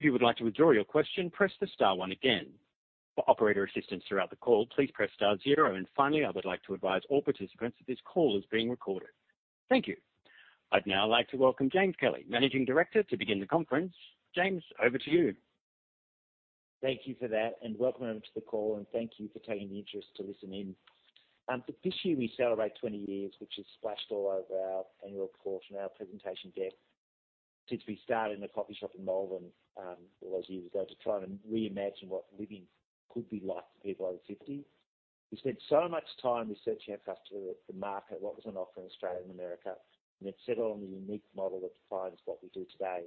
If you would like to withdraw your question, press the star one again. For operator assistance throughout the call, please press star zero. Finally, I would like to advise all participants that this call is being recorded. Thank you. I'd now like to welcome James Kelly, Managing Director, to begin the conference. James, over to you. Thank you for that, welcome to the call, and thank you for taking the interest to listen in. This year we celebrate 20 years, which is splashed all over our annual report and our presentation deck. Since we started in a coffee shop in Melbourne, all those years ago, to try and reimagine what living could be like for people over 50, we spent so much time researching our customer, the market, what was on offer in Australia and America, then settled on the unique model that defines what we do today.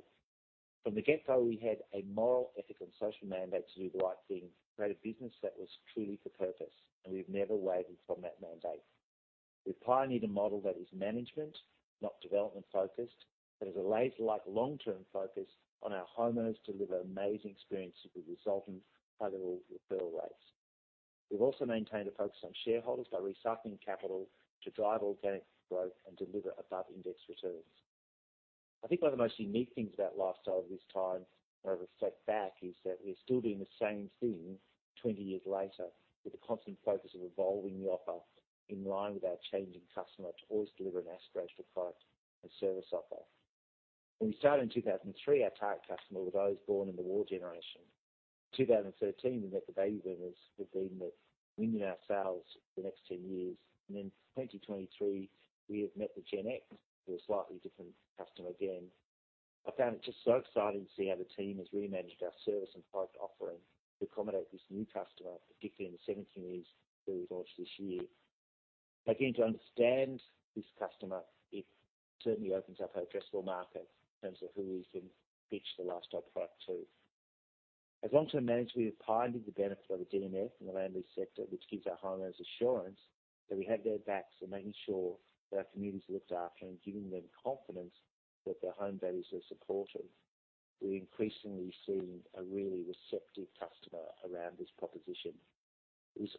From the get-go, we had a moral, ethical, and social mandate to do the right thing, create a business that was truly for purpose, we've never wavered from that mandate. We've pioneered a model that is management, not development-focused. There is a laser-like long-term focus on our homeowners to deliver amazing experiences with resultant high level referral rates. We've also maintained a focus on shareholders by recycling capital to drive organic growth and deliver above-index returns. I think one of the most unique things about Lifestyle this time, when I reflect back, is that we're still doing the same thing 20 years later, with the constant focus of evolving the offer in line with our changing customer to always deliver an aspirational product and service offer. When we started in 2003, our target customer were those born in the war generation. 2013, we met the Baby Boomers, who've been winning our sales for the next 10 years. In 2023, we have met the Gen X, who are a slightly different customer again. I found it just so exciting to see how the team has reimagined our service and product offering to accommodate this new customer, particularly in the seven communities that we launched this year. Beginning to understand this customer, it certainly opens up our addressable market in terms of who we can pitch the lifestyle product to. As long-term managers, we have pioneered the benefit of a DMF in the landlord sector, which gives our homeowners assurance that we have their backs and making sure that our community is looked after and giving them confidence that their home values are supported. We're increasingly seeing a really receptive customer around this proposition, which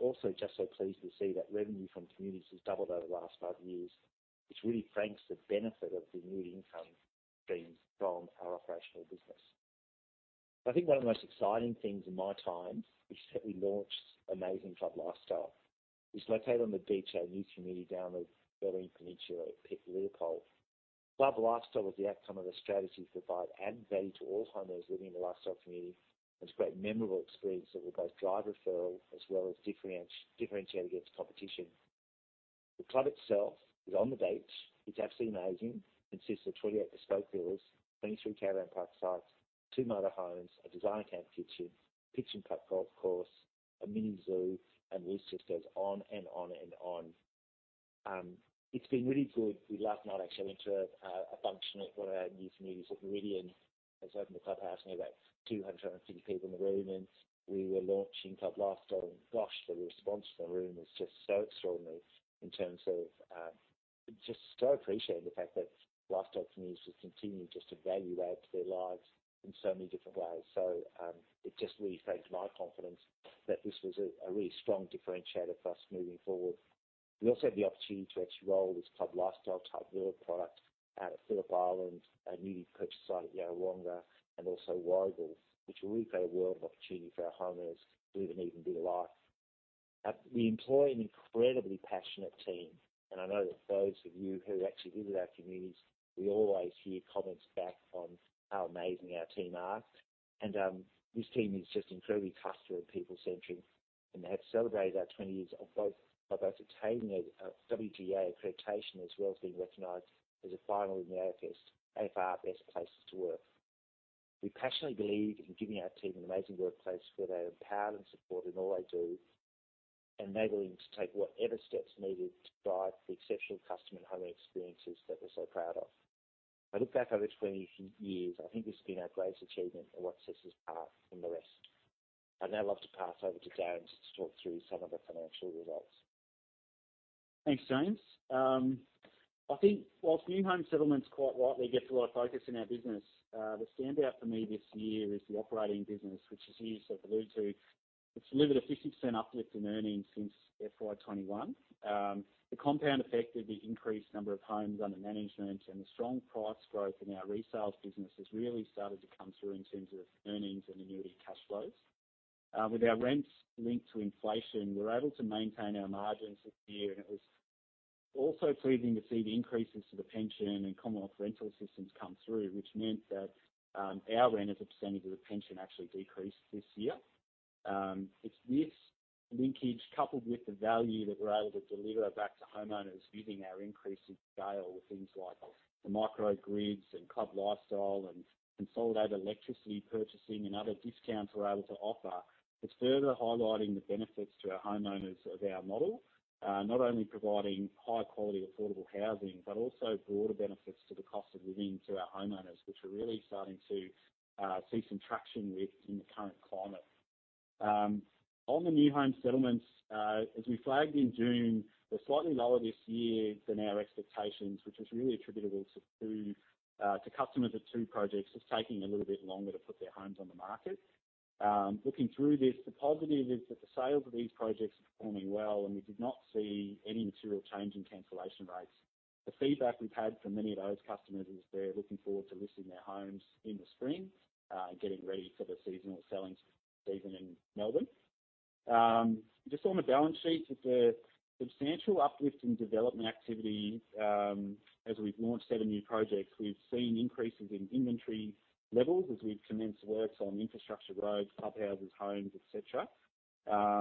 also just so pleased to see that revenue from communities has doubled over the last five years, which really strengths the benefit of the new income being from our operational business. I think one of the most exciting things in my time is that we launched amazing Club Lifestyle. It's located on the beach, our new community down of Bellarine Peninsula, at Leopold. Club Lifestyle was the outcome of a strategy to provide added value to all homeowners living in the lifestyle community, to create memorable experiences that will both drive referrals as well as differentiate against competition. The club itself is on the beach. It's absolutely amazing. Consists of 28 bespoke villas, 23 caravan park sites, 2 motor homes, a designer camp kitchen, pitch and putt golf course, a mini zoo, the list just goes on, and on, and on. It's been really good. We last night actually went to a function at one of our new communities at Meridian. Has opened the clubhouse, and we had about 250 people in the room, and we were launching Club Lifestyle. Gosh, the response from the room was just so extraordinary in terms of, just so appreciating the fact that Lifestyle Communities just continue just to value-add to their lives in so many different ways. It just really strengthened my confidence that this was a really strong differentiator for us moving forward. We also had the opportunity to actually roll this Club Lifestyle type villa product out at Phillip Island, a newly purchased site at Yarrawonga, and also Wagga, which will really open a world of opportunity for our homeowners to live an even bigger life. We employ an incredibly passionate team. I know that those of you who actually visit our communities, we always hear comments back on how amazing our team are. This team is just incredibly customer and people-centric, and they have celebrated our 20 years of both, by both attaining a WGEA accreditation, as being recognized as a final in the AFR BOSS Best Places to Work. We passionately believe in giving our team an amazing workplace where they are empowered and supported in all they do, enabling them to take whatever steps needed to drive the exceptional customer and home experiences that we're so proud of. I look back over 20 years, I think this has been our greatest achievement and what sets us apart from the rest. I'd now love to pass over to James to talk through some of the financial results. Thanks, James. I think whilst new home settlement quite rightly gets a lot of focus in our business, the standout for me this year is the operating business, which as you allude to, it's delivered a 50% uplift in earnings since FY21. The compound effect of the increased number of homes under management and the strong price growth in our resales business has really started to come through in terms of earnings and annuity cash flows. With our rents linked to inflation, we're able to maintain our margins this year, and it was also pleasing to see the increases to the pension and Commonwealth Rent Assistance come through, which meant that our rent as a percentage of the pension actually decreased this year. It's this linkage, coupled with the value that we're able to deliver back to homeowners using our increase in scale with things like the microgrids and Club Lifestyle and consolidated electricity purchasing and other discounts we're able to offer, it's further highlighting the benefits to our homeowners of our model. Not only providing high quality, affordable housing, but also broader benefits to the cost of living to our homeowners, which we're really starting to see some traction with in the current climate. On the new home settlements, as we flagged in June, we're slightly lower this year than our expectations, which was really attributable to customers of two projects just taking a little bit longer to put their homes on the market. Looking through this, the positive is that the sales of these projects are performing well, and we did not see any material change in cancellation rates. The feedback we've had from many of those customers is they're looking forward to listing their homes in the spring, and getting ready for the seasonal selling season in Melbourne. Just on the balance sheet, with the substantial uplift in development activity, as we've launched seven new projects, we've seen increases in inventory levels as we've commenced works on infrastructure, roads, clubhouses, homes, et cetera.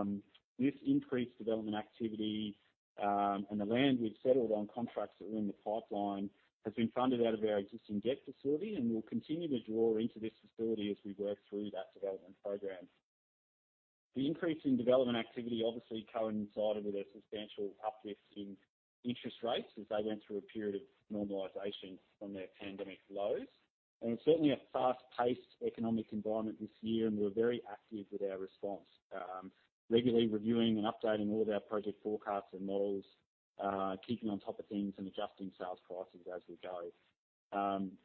This increased development activity, and the land we've settled on, contracts that were in the pipeline, has been funded out of our existing debt facility and will continue to draw into this facility as we work through that development program. The increase in development activity obviously coincided with a substantial uplift in interest rates as they went through a period of normalization from their pandemic lows. It's certainly a fast-paced economic environment this year, and we're very active with our response. Regularly reviewing and updating all of our project forecasts and models, keeping on top of things and adjusting sales prices as we go.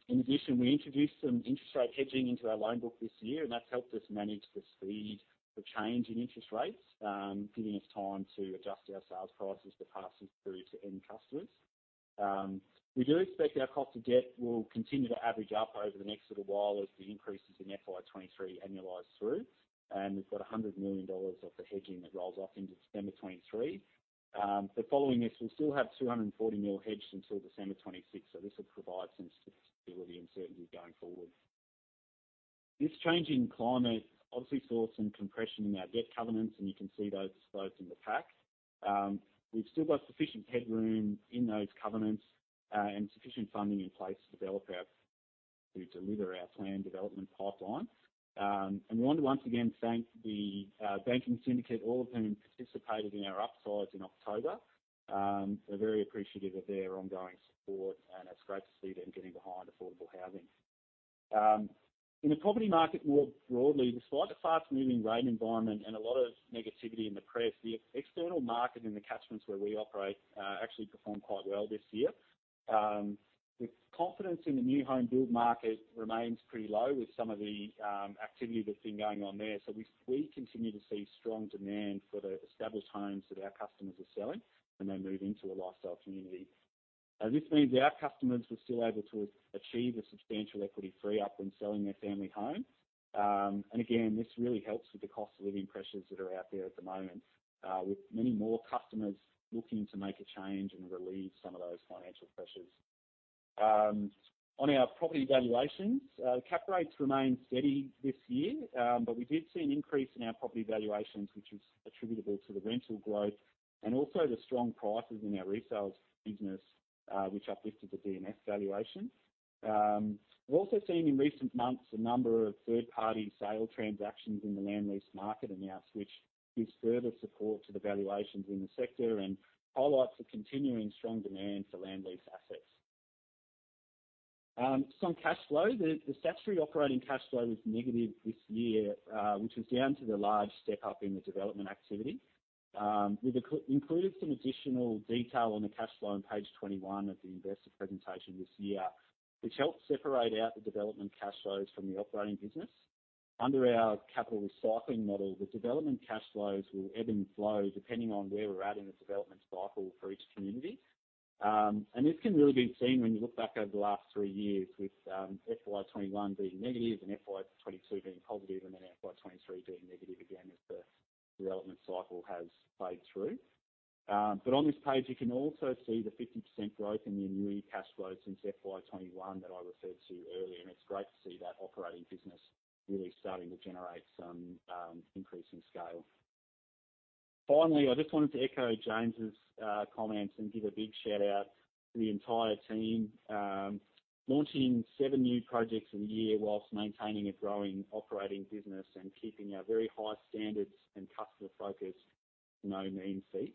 In addition, we introduced some interest rate hedging into our loan book this year, and that's helped us manage the speed of change in interest rates, giving us time to adjust our sales prices to pass this through to end customers. We do expect our cost of debt will continue to average up over the next little while as the increases in FY23 annualize through. We've got 100 million dollars of the hedging that rolls off into December 2023. Following this, we'll still have 240 million hedged until December 2026. This will provide some stability and certainty going forward. This changing climate obviously saw some compression in our debt covenants, and you can see those disclosed in the pack. We've still got sufficient headroom in those covenants and sufficient funding in place to develop our to deliver our planned development pipeline. We want to once again thank the banking syndicate, all of whom participated in our upsize in October. We're very appreciative of their ongoing support. It's great to see them getting behind affordable housing. In the property market, more broadly, despite a fast-moving rate environment and a lot of negativity in the press, the external market in the catchments where we operate, actually performed quite well this year. The confidence in the new home build market remains pretty low with some of the activity that's been going on there. We, we continue to see strong demand for the established homes that our customers are selling. They move into a lifestyle community. This means our customers were still able to achieve a substantial equity free up when selling their family home. Again, this really helps with the cost of living pressures that are out there at the moment, with many more customers looking to make a change and relieve some of those financial pressures. On our property valuations, cap rates remained steady this year, we did see an increase in our property valuations, which is attributable to the rental growth and also the strong prices in our resales business, which uplifted the DMS valuation. We've also seen in recent months, a number of third-party sale transactions in the land lease market announce, which gives further support to the valuations in the sector and highlights the continuing strong demand for land lease assets. Some cash flow. The statutory operating cash flow was negative this year, which was down to the large step up in the development activity. We've included some additional detail on the cash flow on page 21 of the investor presentation this year, which helps separate out the development cash flows from the operating business. Under our capital recycling model, the development cash flows will ebb and flow, depending on where we're at in the development cycle for each community. This can really be seen when you look back over the last 3 years with FY21 being negative and FY22 being positive, and then FY23 being negative again, as the development cycle has played through. On this page you can also see the 50% growth in the annuity cash flow since FY21 that I referred to earlier. It's great to see that operating business really starting to generate some increase in scale. Finally, I just wanted to echo James's comments and give a big shout-out to the entire team. Launching seven new projects in a year whilst maintaining a growing operating business and keeping our very high standards and customer focus, is no mean feat.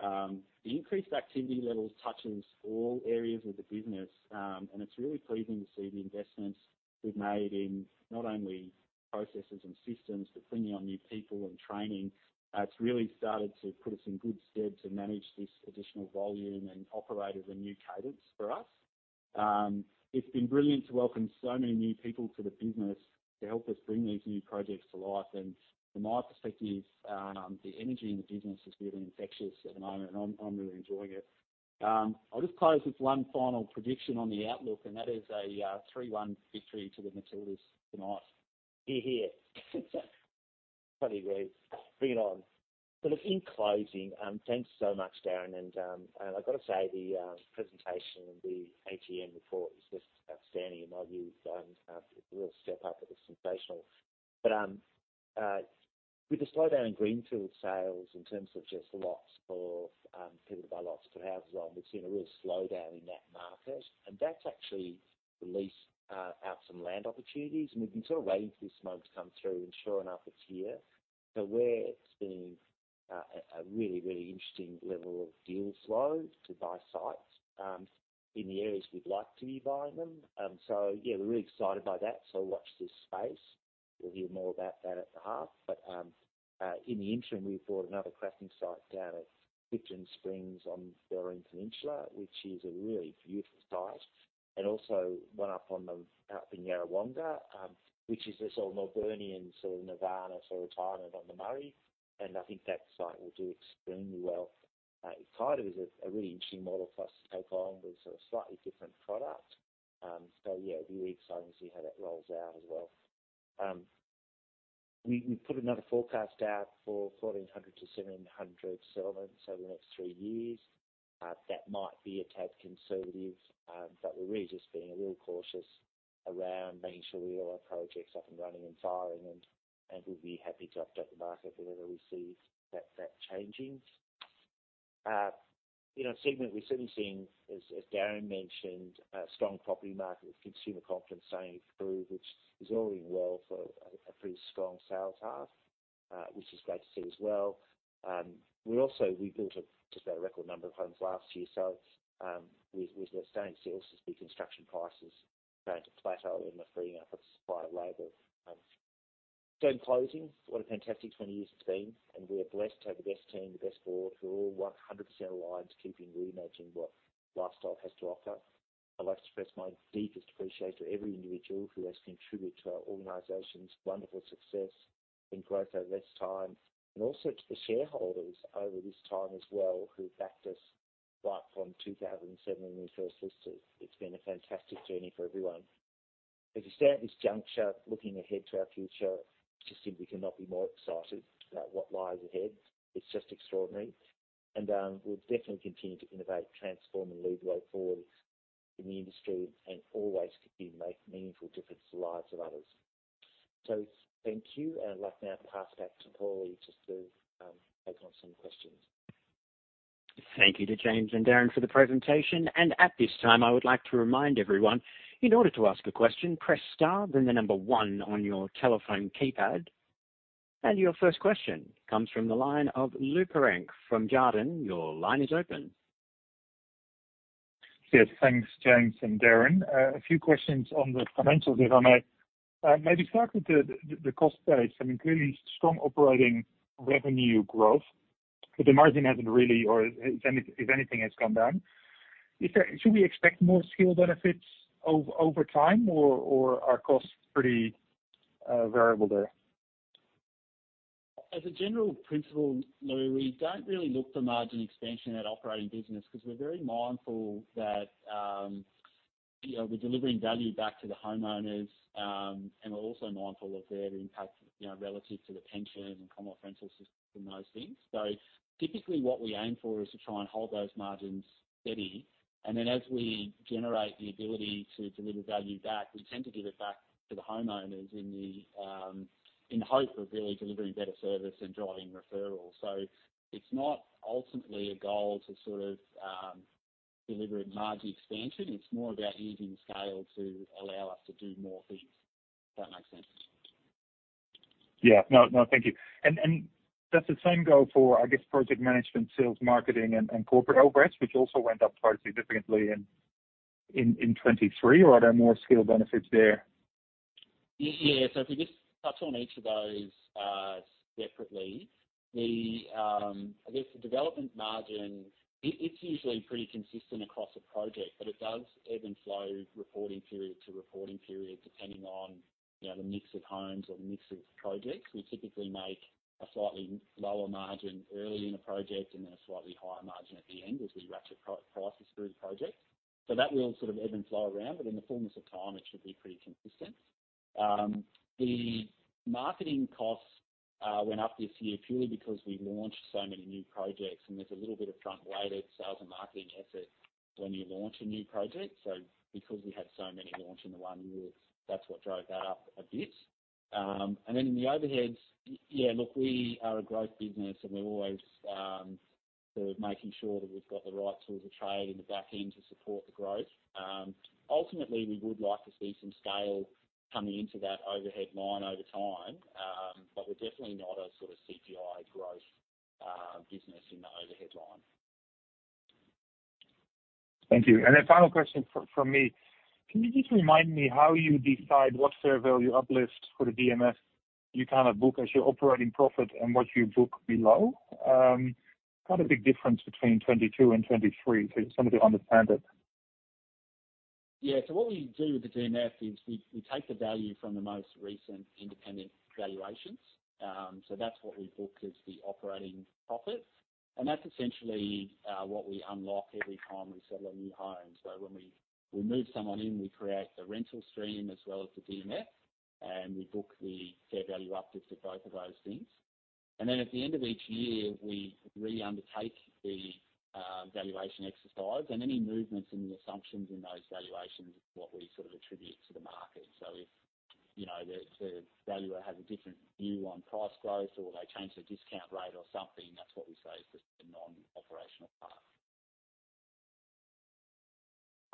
The increased activity levels touches all areas of the business, and it's really pleasing to see the investments we've made in not only processes and systems, but bringing on new people and training. It's really started to put us in good stead to manage this additional volume and operate at a new cadence for us. It's been brilliant to welcome so many new people to the business to help us bring these new projects to life. From my perspective, the energy in the business is really infectious at the moment, and I'm, I'm really enjoying it. I'll just close with one final prediction on the outlook, and that is a 3-1 victory to the Matildas tonight. Hear, hear. Funny. Bring it on. In closing, thanks so much, Darren, and I've got to say, the presentation and the ATM report is just outstanding in my view. It's a real step up, it was sensational. With the slowdown in greenfield sales in terms of just lots of people to buy lots to houses on, we've seen a real slowdown in that market, and that's actually released out some land opportunities, and we've been sort of waiting for this moment to come through, and sure enough, it's here. Where it's been a really, really interesting level of deal flow to buy sites in the areas we'd like to be buying them. Yeah, we're really excited by that, so watch this space. We'll hear more about that at the half. But, um-... In the interim, we've bought another crafting site down at Clifton Springs on Bellarine Peninsula, which is a really beautiful site, and also one up on the, out in Yarrawonga, which is a sort of Melburnian sort of Nirvana for retirement on the Murray, and I think that site will do extremely well. It kind of is a, a really interesting model for us to take on with a slightly different product. Yeah, really exciting to see how that rolls out as well. We, we put another forecast out for 1,400 to 1,700 settlements over the next 3 years. That might be a tad conservative, but we're really just being a little cautious around making sure we get all our projects up and running and firing, and we'll be happy to update the market whenever we see that, that changing. You know, segment we're certainly seeing, as Darren mentioned, a strong property market with consumer confidence staying through, which is all in well for a pretty strong sales half, which is great to see as well. We also, we built a just a record number of homes last year, so, we are starting to see also the construction prices going to plateau and the freeing up of supply of labor. In closing, what a fantastic 20 years it's been, and we are blessed to have the best team, the best board. We're all 100% aligned to keeping reimagining what Lifestyle has to offer. I'd like to express my deepest appreciation to every individual who has contributed to our organization's wonderful success and growth over this time, and also to the shareholders over this time as well, who backed us right from 2007 when we first listed. It's been a fantastic journey for everyone. As we stand at this juncture, looking ahead to our future, we just simply cannot be more excited about what lies ahead. It's just extraordinary. We'll definitely continue to innovate, transform, and lead the way forward in the industry, and always continue to make meaningful difference to the lives of others. Thank you, and I'd like now to pass it back to Paul just to take on some questions. Thank you to James and Darren for the presentation. At this time, I would like to remind everyone, in order to ask a question, press star, then the number 1 on your telephone keypad. Your first question comes from the line of Lou Pirenc from Jarden. Your line is open. Yes, thanks, James and Darren. A few questions on the financials, if I may. Maybe start with the, the, the cost base. I mean, clearly strong operating revenue growth, but the margin hasn't really, or if any, if anything, has come down. Should we expect more scale benefits over, over time, or, or are costs pretty variable there? As a general principle, Louis, we don't really look for margin expansion at operating business because we're very mindful that, you know, we're delivering value back to the homeowners. And we're also mindful of their impact, you know, relative to the pension and commercial rental system, those things. So typically what we aim for is to try and hold those margins steady, and then as we generate the ability to deliver value back, we tend to give it back to the homeowners in the, in hope of really delivering better service and driving referrals. So it's not ultimately a goal to sort of, deliver a margin expansion. It's more about using scale to allow us to do more things, if that makes sense. Yeah. No, no, thank you. Does the same go for, I guess, project management, sales, marketing, and corporate overheads, which also went up quite significantly in FY23, or are there more scale benefits there? Yeah. If we just touch on each of those separately, I guess the development margin, it's usually pretty consistent across a project, but it does ebb and flow, reporting period to reporting period, depending on, you know, the mix of homes or the mix of projects. We typically make a slightly lower margin early in a project and then a slightly higher margin at the end as we ratchet prices through the project. That will sort of ebb and flow around, but in the fullness of time, it should be pretty consistent. The marketing costs went up this year purely because we launched so many new projects, and there's a little bit of front-loaded sales and marketing effort when you launch a new project. Because we had so many launch in the one year, that's what drove that up a bit. Then in the overheads, yeah, look, we are a growth business, and we're always, sort of making sure that we've got the right tools of trade in the back end to support the growth. Ultimately, we would like to see some scale coming into that overhead line over time. We're definitely not a sort of CPI growth business in the overhead line. Thank you. A final question from me. Can you just remind me how you decide what fair value uplifts for the DMF you kind of book as your operating profit and what you book below? Quite a big difference between 22 and 23, so just so I may understand it. Yeah. What we do with the DMF is we, we take the value from the most recent independent valuations. That's what we book as the operating profit, and that's essentially what we unlock every time we sell a new home. When we, we move someone in, we create the rental stream as well as the DMF, and we book the fair value uplift for both of those things. Then at the end of each year, we re-undertake the valuation exercise, and any movements in the assumptions in those valuations is what we sort of attribute to the market. If, you know, the, the valuer has a different view on price growth or they change the discount rate or something, that's what we say is the non-operational part.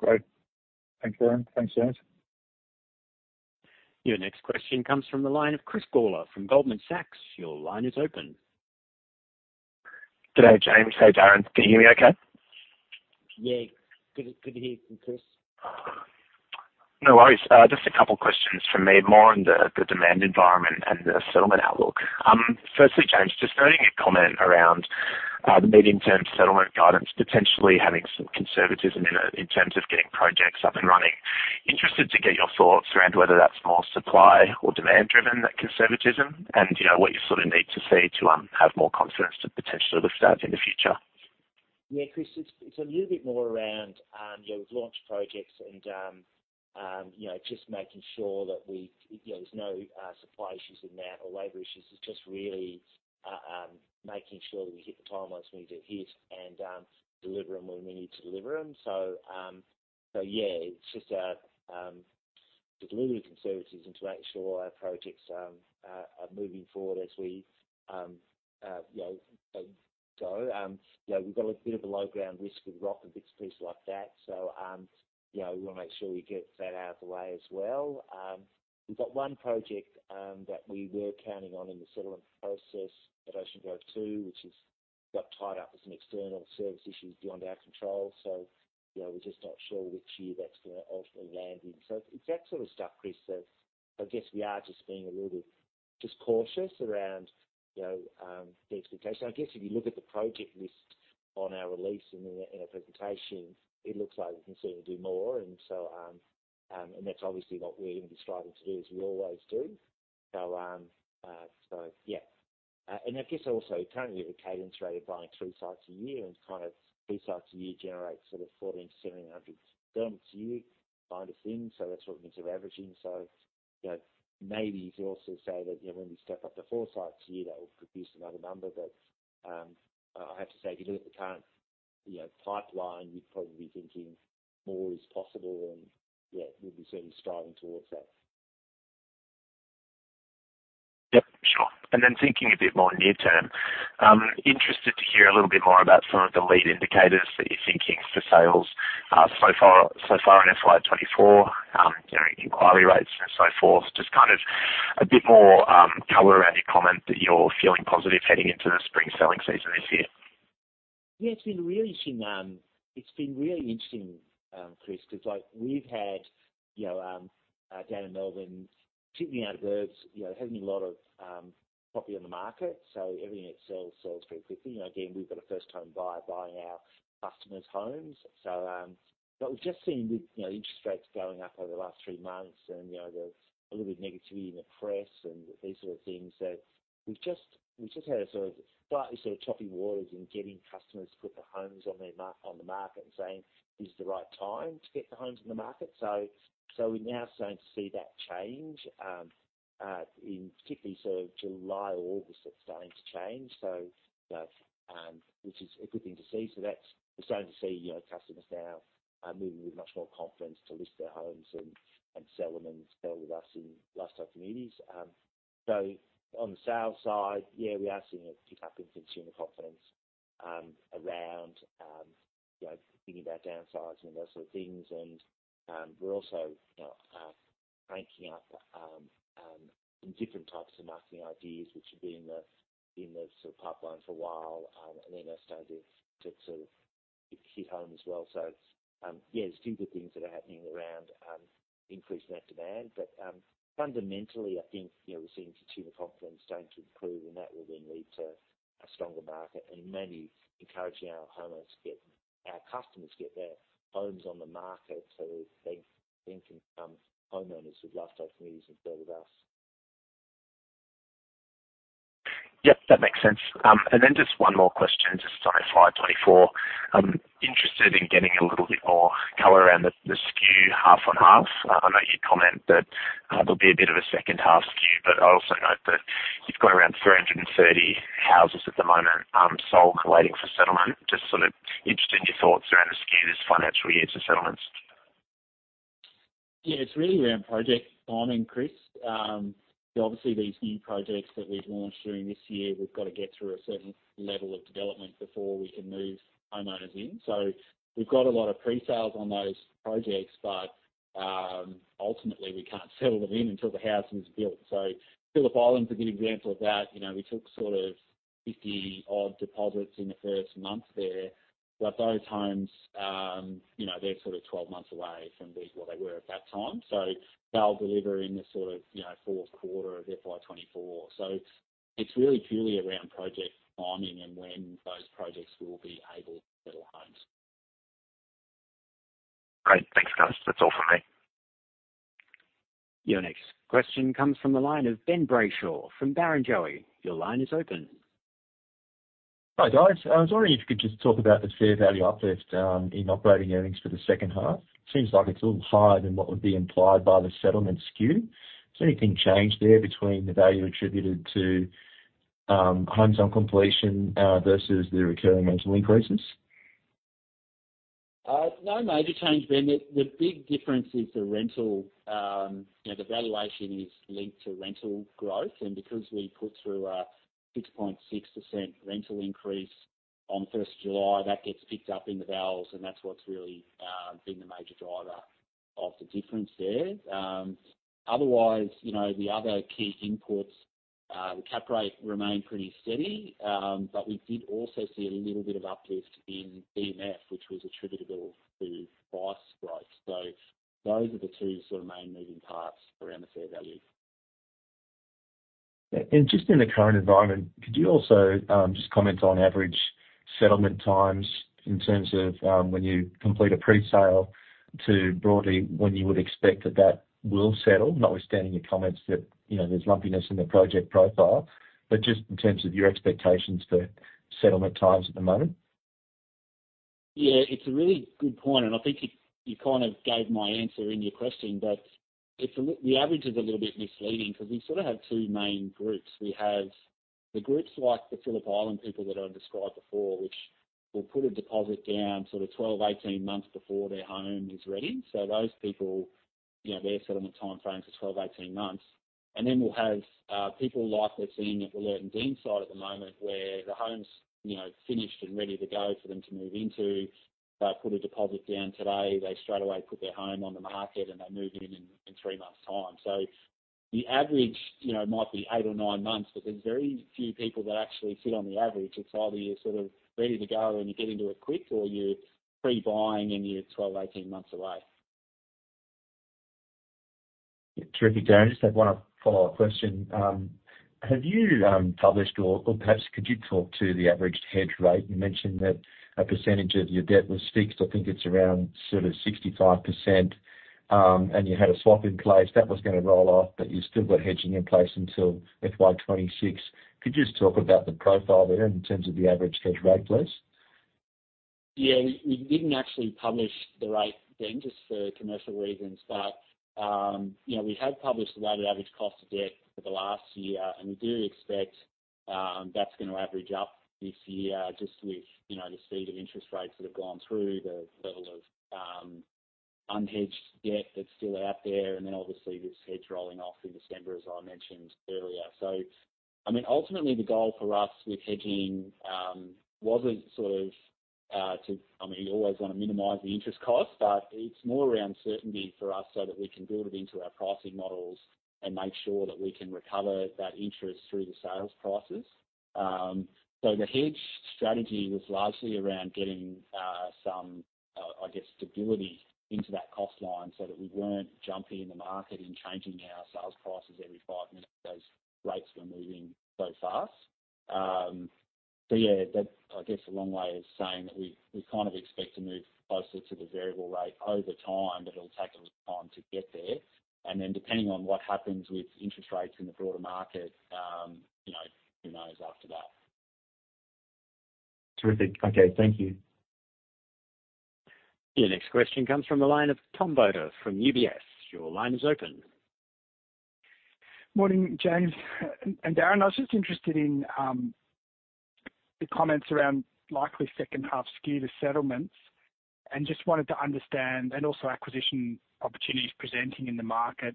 Great. Thanks, Darren. Thanks, James. Your next question comes from the line of Chris Gawler from Goldman Sachs. Your line is open. G'day, James. Hey, Darren, can you hear me okay? Yeah, good, good to hear you, Chris. No worries. Just a couple of questions from me, more on the, the demand environment and the settlement outlook. Firstly, James, just noting a comment around the medium-term settlement guidance, potentially having some conservatism in it in terms of getting projects up and running. Interested to get your thoughts around whether that's more supply or demand driven, that conservatism, and, you know, what you sort of need to see to have more confidence to potentially lift that in the future. Yeah, Chris, it's, it's a little bit more around, you know, we've launched projects and, you know, just making sure that we, you know, there's no supply issues in that or labor issues. It's just really making sure that we hit the timelines we need to hit and deliver them when we need to deliver them. Yeah, it's just our to deliver the conservatisms and to make sure our projects are moving forward as we, you know, go. You know, we've got a bit of a low ground risk with rock and bits and pieces like that. You know, we want to make sure we get that out of the way as well. We've got one project that we were counting on in the settlement process at Ocean Grove 2, which is got tied up with some external service issues beyond our control. You know, we're just not sure which year that's going to ultimately land in. It's that sort of stuff, Chris, that I guess we are just being a little bit just cautious around, you know, the expectation. I guess if you look at the project list on our release and in our presentation, it looks like we can certainly do more. And that's obviously what we're going to be striving to do, as we always do. Yeah, I guess also currently the cadence rate of buying 3 sites a year and kind of 3 sites a year generates sort of 1,400-1,700 homes a year kind of thing. That's what means we're averaging. You know, maybe you could also say that, you know, when we step up to 4 sites a year, that will produce another number. I have to say, if you look at the current, you know, pipeline, you'd probably be thinking more is possible, and yeah, we'll be certainly striving towards that. Yep, sure. Thinking a bit more near term, interested to hear a little bit more about some of the lead indicators that you're thinking for sales, so far, so far in FY 24, you know, inquiry rates and so forth. Just kind of a bit more, color around your comment that you're feeling positive heading into the spring selling season this year. Yeah, it's been really interesting. It's been really interesting, Chris, because like we've had, you know, down in Melbourne, particularly outer suburbs, you know, having a lot of property on the market, so everything that sells, sells pretty quickly. You know, again, we've got a first-time buyer buying our customers' homes. But we've just seen with, you know, interest rates going up over the last 3 months and, you know, the a little bit of negativity in the press and these sort of things. We've just, we've just had a sort of slightly sort of choppy waters in getting customers to put their homes on the market and saying, "Is this the right time to get the homes on the market?" We're now starting to see that change in particularly sort of July or August, it's starting to change. But, which is a good thing to see. That's-- we're starting to see, you know, customers now, moving with much more confidence to list their homes and, and sell them and sell with us in Lifestyle Communities. On the sales side, yeah, we are seeing a pick up in consumer confidence around, you know, thinking about downsizing and those sort of things. We're also, you know, cranking up some different types of marketing ideas, which have been in the, in the sort of pipeline for a while, and they're starting to, to sort of hit home as well. Yeah, there's two good things that are happening around increasing that demand. Fundamentally, I think, you know, we're seeing consumer confidence starting to improve, and that will then lead to a stronger market and mainly encouraging our homeowners our customers to get their homes on the market. They then become homeowners with Lifestyle Communities and build with us. Yep, that makes sense. Just one more question, just on FY24. I'm interested in getting a little bit more color around the, the skew half on half. I know you comment that, there'll be a bit of a H2 skew, but I also note that you've got around 330 houses at the moment, sold, waiting for settlement. Just interested in your thoughts around the skew this financial year to settlements. Yeah, it's really around project timing, Chris. Obviously, these new projects that we've launched during this year, we've got to get through a certain level of development before we can move homeowners in. We've got a lot of pre-sales on those projects, but, ultimately, we can't settle them in until the house is built. Phillip Island is a good example of that. You know, we took sort of 50 odd deposits in the first month there, but those homes, you know, they're sort of 12 months away from being what they were at that time. They'll deliver in the sort of, you know, Q4 of FY24. It's really purely around project timing and when those projects will be able to settle homes. Great. Thanks, guys. That's all from me. Your next question comes from the line of Ben Brayshaw from Barrenjoey. Your line is open. Hi, guys. I was wondering if you could just talk about the fair value uplift in operating earnings for the H2. Seems like it's a little higher than what would be implied by the settlement skew. Anything change there between the value attributed to homes on completion versus the recurring rental increases? No major change, Ben. The, the big difference is the rental, you know, the valuation is linked to rental growth, and because we put through a 6.6% rental increase on 1st July, that gets picked up in the vals, and that's what's really been the major driver of the difference there. Otherwise, you know, the other key inputs, cap rate remained pretty steady, but we did also see a little bit of uplift in EMF, which was attributable to price growth. Those are the two sort of main moving parts around the fair value. Just in the current environment, could you also just comment on average settlement times in terms of when you complete a presale to broadly, when you would expect that, that will settle, notwithstanding your comments that, you know, there's lumpiness in the project profile, but just in terms of your expectations for settlement times at the moment? Yeah, it's a really good point, and I think you, you kind of gave my answer in your question, but the average is a little bit misleading because we sort of have two main groups. We have the groups like the Phillip Island people that I described before, which will put a deposit down sort of 12, 18 months before their home is ready. Those people, you know, their settlement timeframe is 12, 18 months. Then we'll have people like we're seeing at the Deanside site at the moment where the home's, you know, finished and ready to go for them to move into. They'll put a deposit down today, they straight away put their home on the market, and they move in in three months' time. The average, you know, might be eight or nine months, but there's very few people that actually sit on the average. It's either you're sort of ready to go and you get into it quick, or you're pre-buying and you're 12, 18 months away. Terrific, Darren. Just have one follow-up question. Have you published or perhaps could you talk to the averaged hedge rate? You mentioned that a percentage of your debt was fixed. I think it's around 65%, and you had a swap in place that was going to roll off, but you've still got hedging in place until FY26. Could you just talk about the profile there in terms of the average hedge rate, please? Yeah, we, we didn't actually publish the rate then, just for commercial reasons. You know, we have published the weighted average cost of debt for the last year, and we do expect that's going to average up this year just with, you know, the speed of interest rates that have gone through, the level of unhedged debt that's still out there, and then obviously this hedge rolling off in December, as I mentioned earlier. I mean, ultimately the goal for us with hedging wasn't sort of to... I mean, you always want to minimize the interest cost, but it's more around certainty for us so that we can build it into our pricing models and make sure that we can recover that interest through the sales prices. The hedge strategy was largely around getting, some, stability into that cost line so that we weren't jumping in the market and changing our sales prices every 5 minutes, those rates were moving so fast. Yeah, that, a long way of saying that we, we kind of expect to move closer to the variable rate over time, but it'll take a little time to get there. Depending on what happens with interest rates in the broader market, who knows after that? Terrific. Okay, thank you. The next question comes from the line of Tom Bodor from UBS. Your line is open. Morning, James Kelly and, and Darren Rowland. I was just interested in the comments around likely H2 skew to settlements and just wanted to understand, and also acquisition opportunities presenting in the market.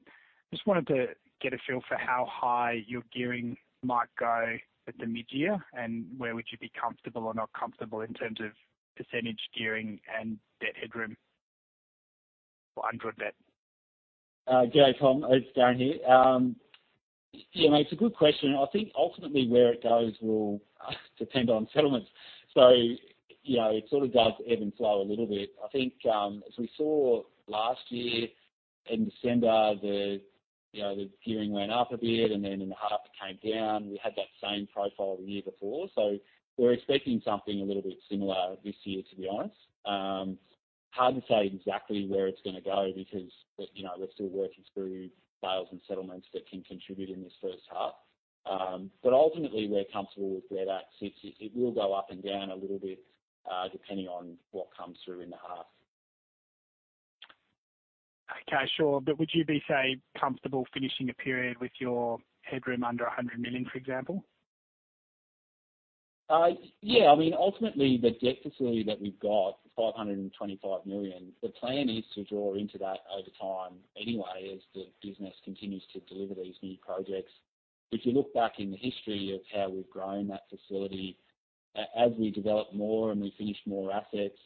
Just wanted to get a feel for how high your gearing might go at the mid-year, and where would you be comfortable or not comfortable in terms of % gearing and debt headroom or undrew debt? Good day, Tom. It's Darren here. Yeah, it's a good question. I think ultimately where it goes will depend on settlements. You know, it sort of does ebb and flow a little bit. I think, as we saw last year in December, the, you know, the gearing went up a bit, and then in the half, it came down. We had that same profile the year before, we're expecting something a little bit similar this year, to be honest. Hard to say exactly where it's going to go because, you know, we're still working through sales and settlements that can contribute in this H1. Ultimately, we're comfortable with where that sits. It, it will go up and down a little bit, depending on what comes through in the half. Okay, sure. Would you be, say, comfortable finishing a period with your headroom under 100 million, for example? Yeah. I mean, ultimately, the debt facility that we've got, 525 million, the plan is to draw into that over time anyway, as the business continues to deliver these new projects. If you look back in the history of how we've grown that facility, as we develop more and we finish more assets,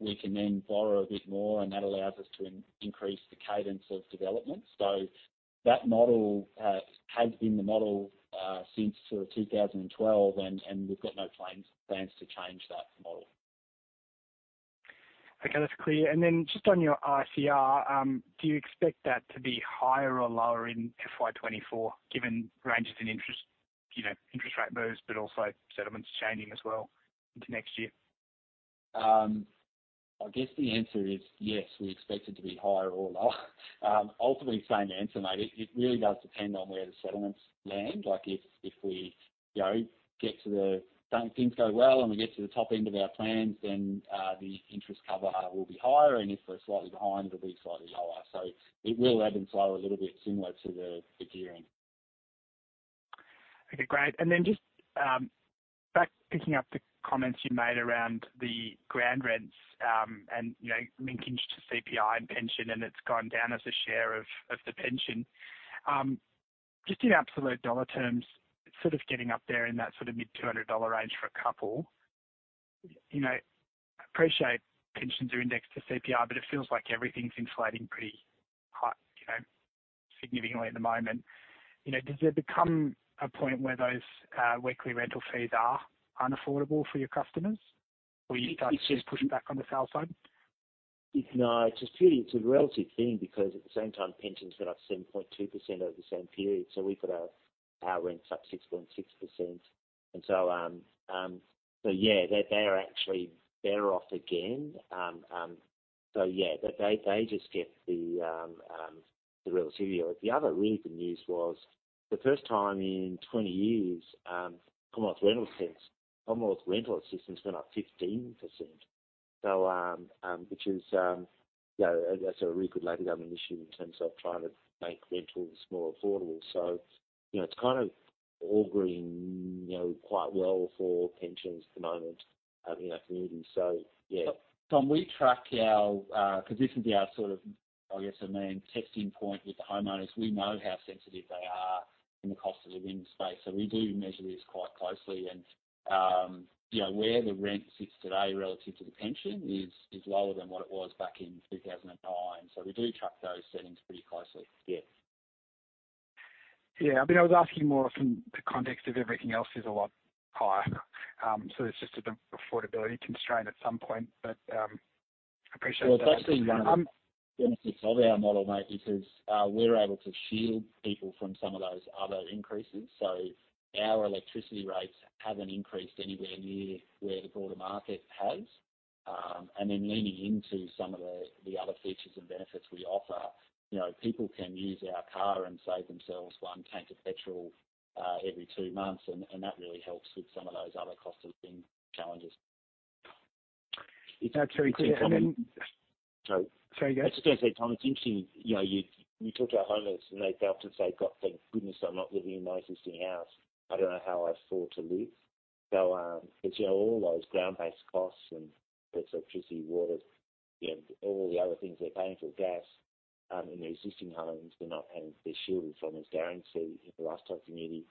we can then borrow a bit more, and that allows us to increase the cadence of development. That model has been the model since sort of 2012, and we've got no plans to change that model. Okay, that's clear. Then just on your ICR, do you expect that to be higher or lower in FY 2024, given ranges in interest, you know, interest rate moves, but also settlements changing into next year? I guess the answer is yes, we expect it to be higher or lower. Ultimately same answer, mate. It, it really does depend on where the settlements land. Like, if, if we, you know, get to the... Things go well and we get to the top end of our plans, then, the interest cover will be higher, and if we're slightly behind, it'll be slightly lower. It will ebb and flow a little bit similar to the, the gearing. Okay, great. Back picking up the comments you made around the ground rents, and, you know, linking to CPI and pension, and it's gone down as a share of, of the pension. Just in absolute dollar terms, it's sort of getting up there in that sort of mid-AUD 200 range for a couple? You know, I appreciate pensions are indexed to CPI, but it feels like everything's inflating pretty high, you know, significantly at the moment. You know, does there become a point where those weekly rental fees are unaffordable for your customers, or you start just pushing back on the sale side? No, it's just really, it's a relative thing, because at the same time, pensions went up 7.2% over the same period. We've got our, our rents up 6.6%. Yeah, they, they are actually better off again. Yeah, they, they just get the relativity. The other really good news was, the first time in 20 years, Commonwealth Rent Assistance, Commonwealth Rent Assistance went up 15%. Which is, you know, that's a really good Labor government issue in terms of trying to make rentals more affordable. You know, it's kind of all going, you know, quite well for pensions at the moment, you know, for me. Yeah. Tom, we track our, because this is our sort of, I guess, our main testing point with the homeowners. We know how sensitive they are in the cost of living space, so we do measure this quite closely. You know, where the rent sits today relative to the pension is, is lower than what it was back in 2009. We do track those settings pretty closely. Yeah. Yeah. I mean, I was asking more from the context of everything else is a lot higher. It's just an affordability constraint at some point, but, I appreciate that. That's the benefits of our model, mate, because we're able to shield people from some of those other increases. Our electricity rates haven't increased anywhere near where the broader market has. Then leaning into some of the other features and benefits we offer. You know, people can use our car and save themselves 1 tank of petrol every 2 months, and that really helps with some of those other cost of living challenges. That's very clear. I mean- So- Sorry, go ahead. I was just going to say, Tom, it's interesting, you know, you, you talk to our homeowners and they often say, "God, thank goodness I'm not living in my existing house. I don't know how I'd afford to live." Because, you know, all those ground-based costs and electricity, water, and all the other things they're paying for, gas, in the existing homes, they're not paying. They're shielded from, as Darren said, in the lifestyle community.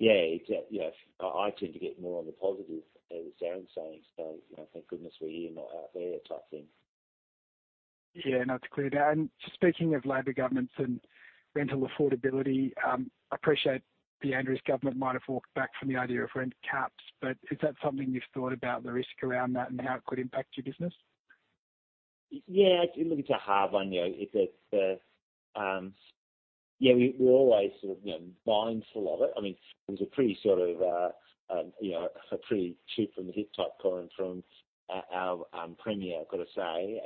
Yeah, you know, I tend to get more on the positive, as Darren's saying. You know, thank goodness we're here, not out there, type thing. Yeah, no, it's clear. Speaking of Labor governments and rental affordability, I appreciate the Andrews government might have walked back from the idea of rent caps, is that something you've thought about the risk around that and how it could impact your business? Yeah, look, it's a hard one. You know, it's, it's, yeah, we, we're always sort of, you know, mindful of it. I mean, it was a pretty sort of, you know, a pretty shoot from the hip type comment from our, our premier, I've got to say.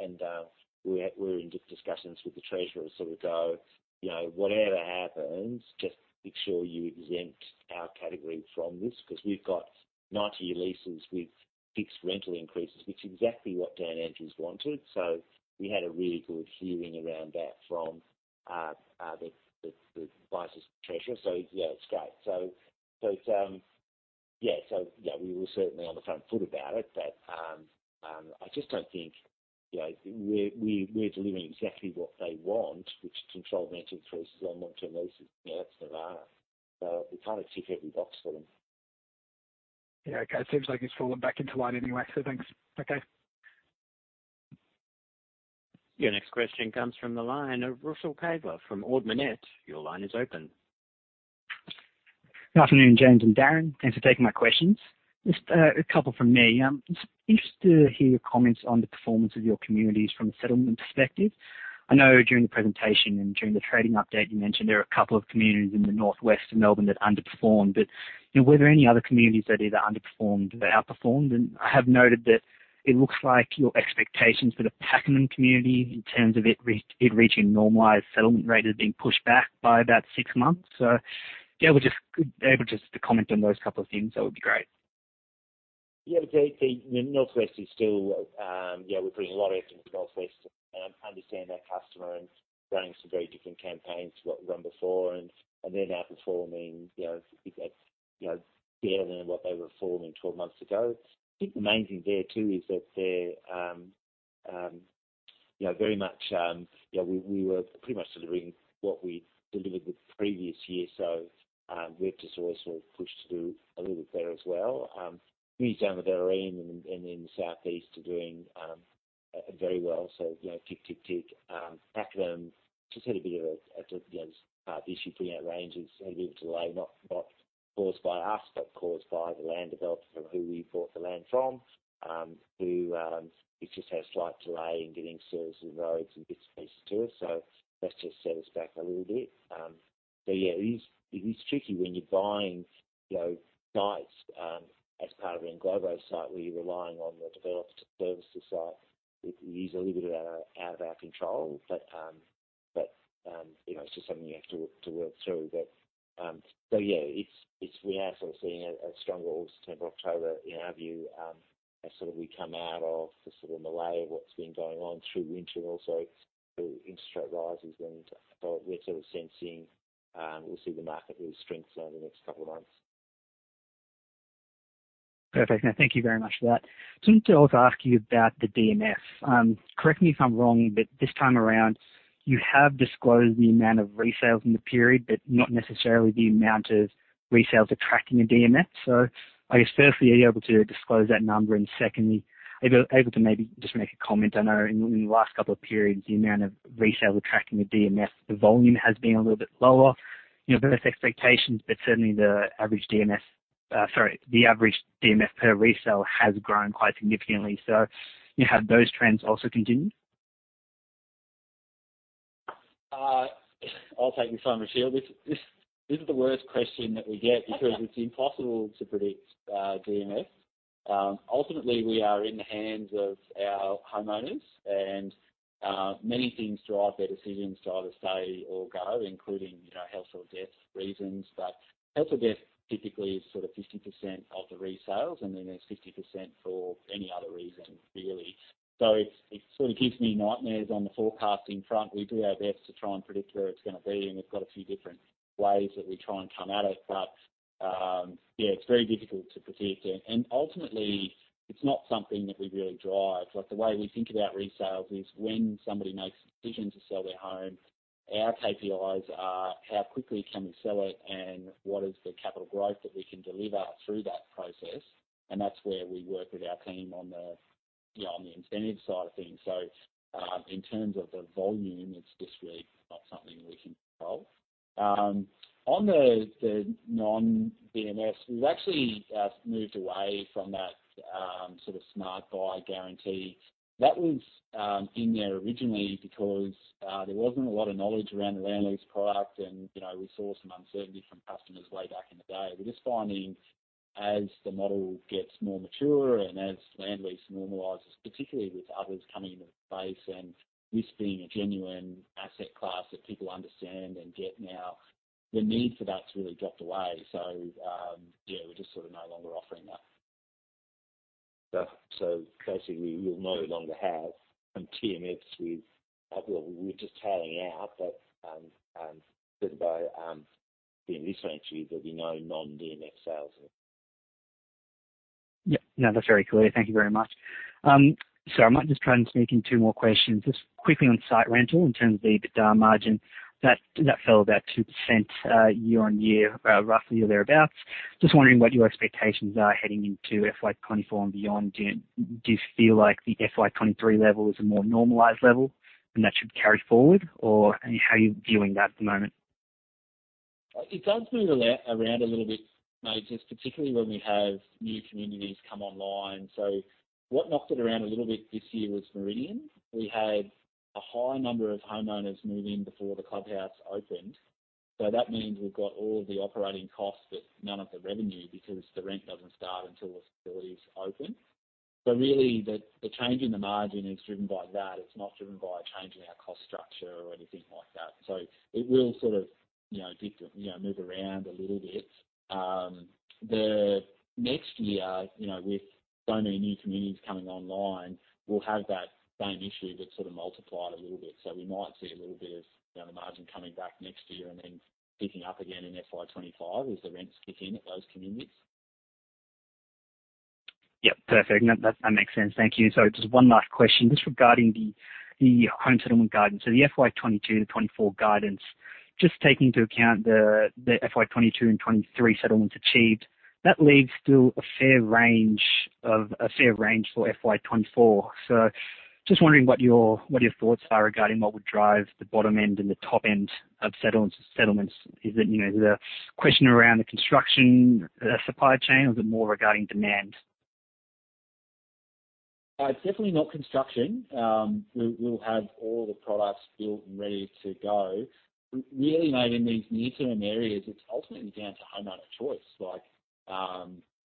We're, we're in discussions with the treasurer to sort of go, you know, whatever happens, just make sure you exempt our category from this, because we've got 90-year leases with fixed rental increases, which is exactly what Daniel Andrews wanted. We had a really good hearing around that from the, the, the vice treasure. Yeah, it's great. Yeah, so, yeah, we were certainly on the front foot about it, but, I just don't think, you know, we're, we're, we're delivering exactly what they want, which is controlled rental increases on long-term leases. Yeah, it's Nirvana, so we kind of tick every box for them. Yeah, okay. It seems like it's fallen back into line anyway, so thanks. Okay. Your next question comes from the line of Russell Gill from Ord Minnett. Your line is open. Good afternoon, James and Darren. Thanks for taking my questions. Just a couple from me. Just interested to hear your comments on the performance of your communities from a settlement perspective. I know during the presentation and during the trading update, you mentioned there are a couple of communities in the northwest of Melbourne that underperformed, you know, were there any other communities that either underperformed or outperformed? I have noted that it looks like your expectations for the Pakenham community, in terms of it reaching normalized settlement rate, is being pushed back by about 6 months. Yeah, we're just able to comment on those couple of things, that would be great. Yeah, the, the Northwest is still, we're putting a lot of effort into the Northwest and understand our customer and running some very different campaigns to what we've run before, and they're now performing, you know, you know, better than what they were performing 12 months ago. I think the main thing there, too, is that they're, you know, very much, you know, we, we were pretty much delivering what we delivered the previous year, so, we've just also pushed through a little bit there as well. Down the Barwon and in, in the Southeast are doing very well, so, you know, tick, tick, tick. Pakenham just had a bit of a, a, you know, issue putting out ranges and a delay not, not caused by us, but caused by the land developer who we bought the land from, who, it just had a slight delay in getting services, roads and bits and pieces to us. That's just set us back a little bit. Yeah, it is, it is tricky when you're buying, you know, sites, as part of an englobo site where you're relying on the developer to service the site. It is a little bit out of, out of our control, but, you know, it's just something you have to, to work through. Yeah, it's, it's... We are sort of seeing a, a stronger August, September, October in our view, as sort of we come out of the sort of melee of what's been going on through winter and also through interest rate rises then. We're sort of sensing, we'll see the market really strengthen over the next couple of months. Perfect. Thank you very much for that. Just wanted to also ask you about the DMS. Correct me if I'm wrong, but this time around you have disclosed the amount of resales in the period, but not necessarily the amount of resales attracting a DMS. I guess, firstly, are you able to disclose that number? Secondly, are you able to maybe just make a comment. I know in, in the last couple of periods, the amount of resales attracting the DMS, the volume has been a little bit lower, you know, versus expectations, but certainly the average DMS, sorry, the average DMS per resale has grown quite significantly. You know, have those trends also continued? I'll take this one, Russell. This is the worst question that we get because it's impossible to predict DMS. Ultimately, we are in the hands of our homeowners, many things drive their decisions to either stay or go, including, you know, health or death reasons. Health or death typically is sort of 50% of the resales, and then there's 50% for any other reason, really. It, it sort of gives me nightmares on the forecasting front. We do our best to try and predict where it's going to be, and we've got a few different ways that we try and come at it. Yeah, it's very difficult to predict. Ultimately, it's not something that we really drive. Like, the way we think about resales is when somebody makes a decision to sell their home, our KPIs are: how quickly can we sell it, and what is the capital growth that we can deliver through that process? That's where we work with our team on the, you know, on the incentive side of things. In terms of the volume, it's just really not something we can control. On the, the non-DMS, we've actually moved away from that sort of Smart Buy Guarantee. That was in there originally because there wasn't a lot of knowledge around the land lease product and, you know, we saw some uncertainty from customers way back in the day. We're just finding as the model gets more mature and as land lease normalizes, particularly with others coming into the space and this being a genuine asset class that people understand and get now, the need for that's really dropped away. Yeah, we're just sort of no longer offering that. so basically you'll no longer have some TMFs with. Well, we're just tailing out, but goodbye. In this entry, there'll be no non-DMS sales. Yeah. No, that's very clear. Thank you very much. I might just try and sneak in two more questions. Just quickly on site rental, in terms of the EBITDA margin, that, that fell about 2%, year-on-year, roughly or thereabouts. Just wondering what your expectations are heading into FY24 and beyond. Do you, do you feel like the FY23 level is a more normalized level and that should carry forward, or how are you viewing that at the moment? It does move around, around a little bit, mate, just particularly when we have new communities come online. What knocked it around a little bit this year was Meridian. We had a high number of homeowners move in before the clubhouse opened. That means we've got all of the operating costs, but none of the revenue because the rent doesn't start until the facilities open. Really, the, the change in the margin is driven by that. It's not driven by a change in our cost structure or anything like that. It will sort of, you know, move around a little bit. The next year, you know, with so many new communities coming online, we'll have that same issue, but sort of multiplied a little bit. We might see a little bit of, you know, the margin coming back next year and then picking up again in FY25 as the rents kick in at those communities. Yep, perfect. That, that makes sense. Thank you. Just one last question. Just regarding the home settlement guidance. The FY 2022-2024 guidance, just taking into account the FY 2022 and 2023 settlements achieved, that leaves still a fair range for FY 2024. Just wondering what your thoughts are regarding what would drive the bottom end and the top end of settlements. Is it, you know, is it a question around the construction supply chain, or is it more regarding demand? It's definitely not construction. We, we'll have all the products built and ready to go. Really, mate, in these near-term areas, it's ultimately down to homeowner choice. Like,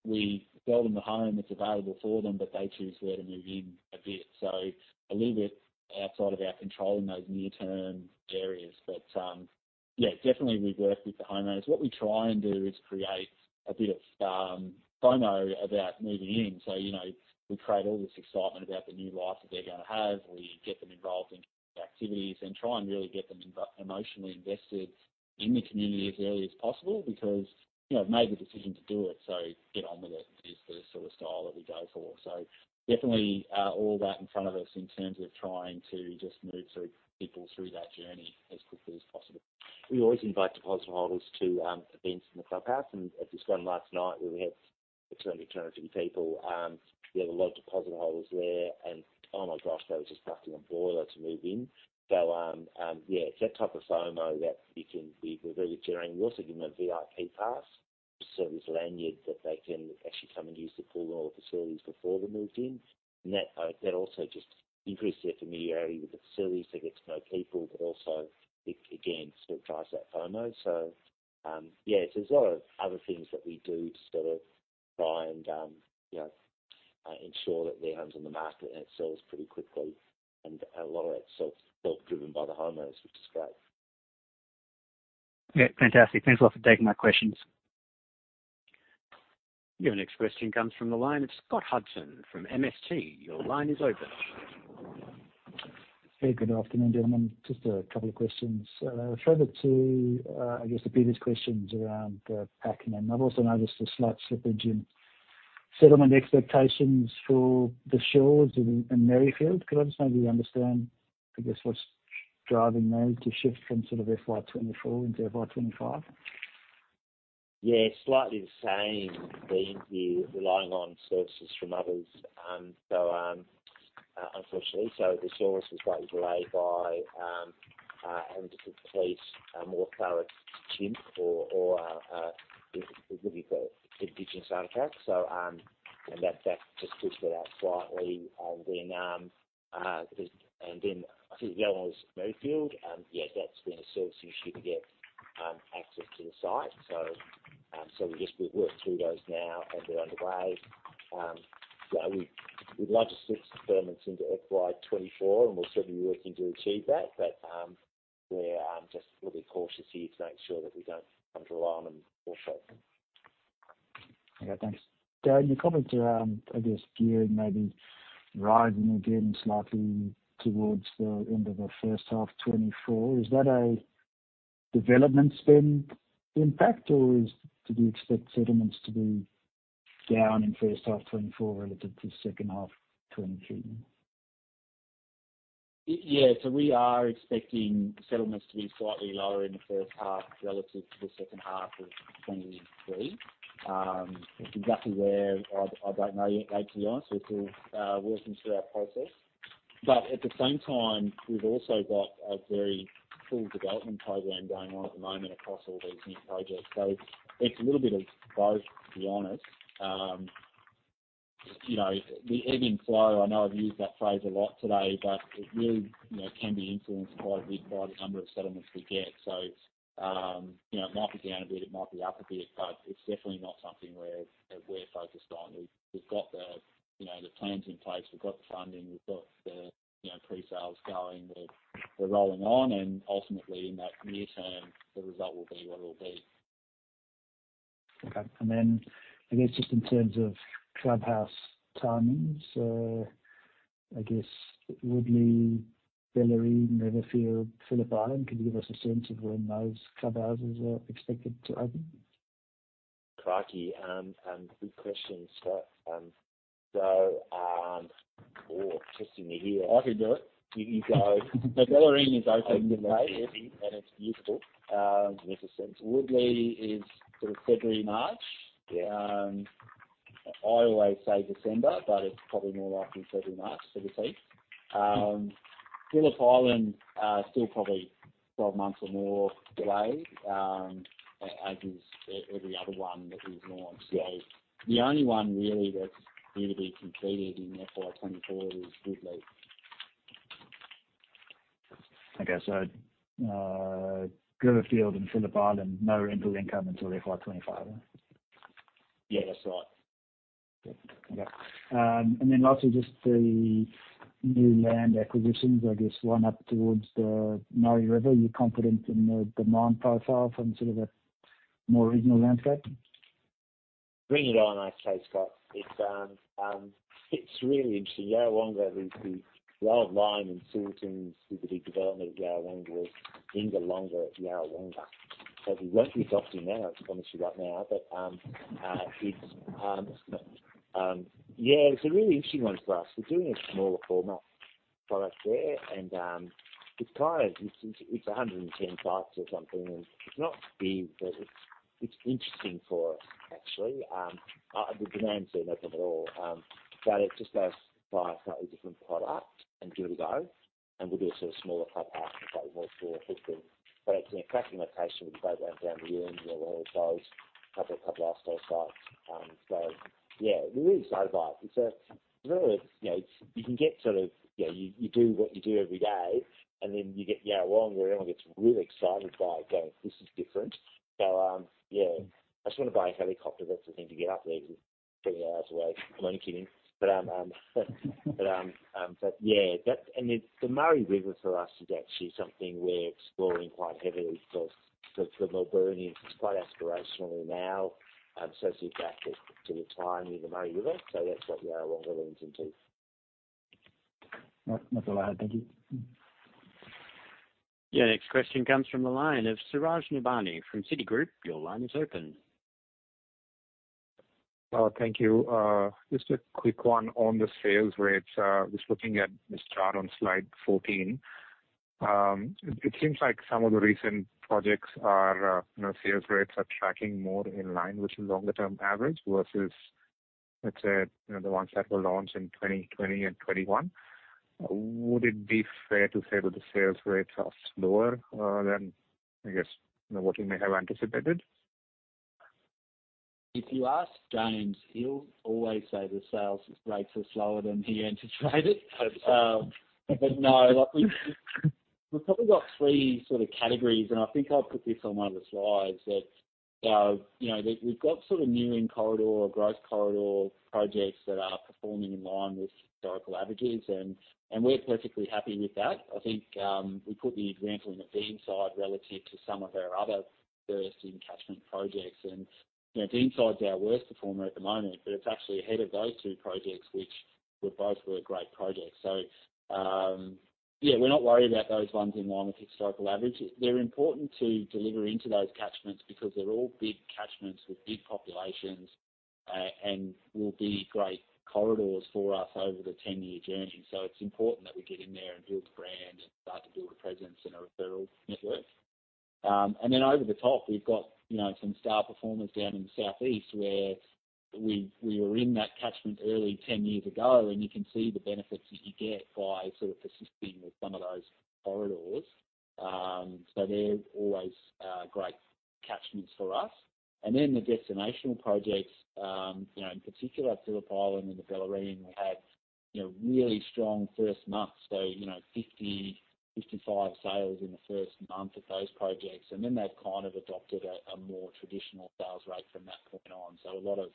we sell them a home that's available for them, they choose where to move in a bit. A little bit outside of our control in those near-term areas. Yeah, definitely we've worked with the homeowners. What we try and do is create a bit of FOMO about moving in. You know, we create all this excitement about the new life that they're going to have. We get them involved in activities and try and really get them in emotionally invested in the community as early as possible because, you know, they've made the decision to do it, get on with it is the sort of style that we go for. definitely, all that in front of us in terms of trying to just move through people through that journey as quickly as possible. We always invite deposit holders to events in the clubhouse, and at this one last night, where we had between 80 people, we had a lot of deposit holders there, and, oh, my gosh, they were just busting a boiler to move in. Yeah, it's that type of FOMO that we can, we're really carrying. We also give them a VIP pass, so this lanyard that they can actually come and use the pool and all the facilities before they moved in. That, that also just increases their familiarity with the facilities. They get to know people, but also it, again, still drives that FOMO. Yeah, there's a lot of other things that we do to sort of try and, you know, ensure that their home's on the market, and it sells pretty quickly. A lot of it's self, self-driven by the homeowners, which is great. Fantastic. Thanks a lot for taking my questions. Your next question comes from the line of Scott Hudson from MST. Your line is open. Hey, good afternoon, gentlemen. Just a couple of questions. Further to, I guess the previous questions around Pakenham, I've also noticed a slight slippage in settlement expectations for The Shores and Merrifield. Could I just maybe understand, I guess, what's driving those to shift from sort of FY24 into FY25? Yeah, slightly the same. We're relying on services from others, unfortunately, the service was slightly delayed by having to replace more pallets chimp or, or, what do you call it? Indigenous artifacts. That, that just pushed it out slightly. Then I think the other one was Merrifield. Yeah, that's been a service issue to get access to the site. We're just, we're working through those now, and they're underway. We, we'd like to switch the settlements into FY24, we're certainly working to achieve that. We're just a little bit cautious here to make sure that we don't under rely on them or short them. Okay, thanks. Dan, your comments around, I guess, gearing maybe rising again slightly towards the end of the H1 of 2024. Is that a development spend impact, or is, do we expect settlements to be down in H1 2024 relative to H2 2023? Yeah. We are expecting settlements to be slightly lower in the H1 relative to the H2 of 23. Exactly where, I, I don't know, yet, to be honest, we're still working through our process. At the same time, we've also got a very full development program going on at the moment across all these new projects. It's a little bit of both, to be honest. You know, the ebb and flow, I know I've used that phrase a lot today, but it really, you know, can be influenced quite a bit by the number of settlements we get. You know, it might be down a bit, it might be up a bit, but it's definitely not something we're, we're focused on. We've got the, you know, the plans in place, we've got the funding, we've got the, you know, pre-sales going. We're rolling on. Ultimately in that near term, the result will be what it will be. Okay. I guess just in terms of clubhouse timings, I guess Woodlea, Bellarine, Riverfield, Phillip Island, could you give us a sense of when those clubhouses are expected to open? Crikey! Good question, Scott. Trusting you here. I can do it. You go. The Bellarine is open today, and it's beautiful. Woodlea is sort of February, March. Yeah. I always say December, but it's probably more likely February, March for this year. Phillip Island, still probably 12 months or more away, as is every other one that we've launched. The only one really that's going to be completed in FY24 is Woodlea. Okay, Riverfield and Phillip Island, no rental income until FY25? Yeah, that's right. Okay. Lastly, just the new land acquisitions, I guess one up towards the Murray River. You're confident in the demand profile from sort of a more regional landscape? Bring it on. Okay, Scott. It fits really into Yarrawonga is the bottom line, sort things with the development of Yarrawonga into longer Yarrawonga. We won't be adopting now, I promise you right now, but yeah, it's a really interesting one for us. We're doing a smaller format product there, it's kind of, it's, it's 110 plots or something, it's not big, but it's, it's interesting for us, actually. The demand is there, no problem at all, it just goes by a slightly different product and give it a go, we'll do a sort of smaller clubhouse, probably more for 15. It's in a cracking location with a boat ramp down the end, where one of those couple, couple of lifestyle sites. Yeah, we really so like it. It's a really, it's you can get, you, you do what you do every day, and then you get, Yarrawonga, everyone gets really excited by it, going, "This is different." Yeah, I just want to buy a helicopter. That's the thing to get up there because it's three hours away. I'm only kidding, but yeah, that. The Murray River for us is actually something we're exploring quite heavily for, for the Melburnians. It's quite aspirational now, as you get back to, to retire in the Murray River. That's what we are longer lens into. Right. That's all I had. Thank you. Next question comes from the line of Suraj Nebhani from Citigroup. Your line is open. Thank you. Just a quick one on the sales rates. Just looking at this chart on slide 14, it, it seems like some of the recent projects are, you know, sales rates are tracking more in line with the longer-term average versus, let's say, you know, the ones that were launched in 2020 and 2021. Would it be fair to say that the sales rates are slower than I guess, what you may have anticipated? If you ask James, he'll always say the sales rates are slower than he anticipated. No, like, we've, we've probably got three sort of categories, and I think I've put this on one of the slides that, you know, that we've got sort of new in corridor or growth corridor projects that are performing in line with historical averages, and we're perfectly happy with that. I think, we put the example in the Beaconside relative to some of our other first in catchment projects, and, you know, Deanside is our worst performer at the moment, but it's actually ahead of those two projects. We're both were a great project. Yeah, we're not worried about those ones in line with historical averages. They're important to deliver into those catchments because they're all big catchments with big populations and will be great corridors for us over the ten-year journey. It's important that we get in there and build the brand and start to build a presence and a referral network. Then over the top, we've got, you know, some star performers down in the Southeast, where we, we were in that catchment early, ten years ago, and you can see the benefits that you get by sort of persisting with some of those corridors. They're always great catchments for us. Then the destinational projects, you know, in particular, Phillip Island and the Bellarine, we had, you know, really strong first months. You know, 50, 55 sales in the first month of those projects, and then they've kind of adopted a more traditional sales rate from that point on. A lot of,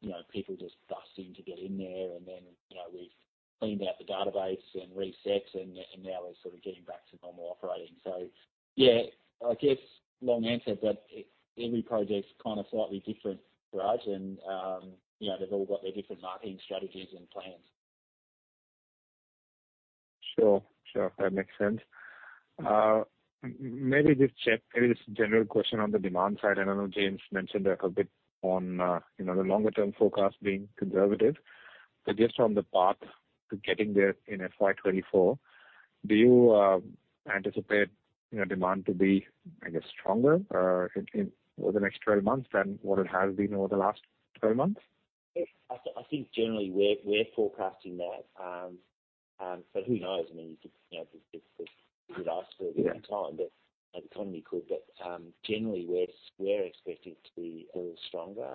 you know, people just bussing to get in there, and then, you know, we've cleaned out the database and reset, and now we're sort of getting back to normal operating. Yeah, I guess, long answer, but every project is kind of slightly different for us and, you know, they've all got their different marketing strategies and plans. Sure, sure. That makes sense. Maybe just a general question on the demand side. I know James mentioned a bit on, you know, the longer-term forecast being conservative, but just on the path to getting there in FY24, do you anticipate, you know, demand to be, I guess, stronger, over the next 12 months than what it has been over the last 12 months? Yes, I, I think generally we're, we're forecasting that, but who knows? I mean, you could, you know, could ask for a different time, but the economy could. Generally, we're, we're expecting it to be a little stronger,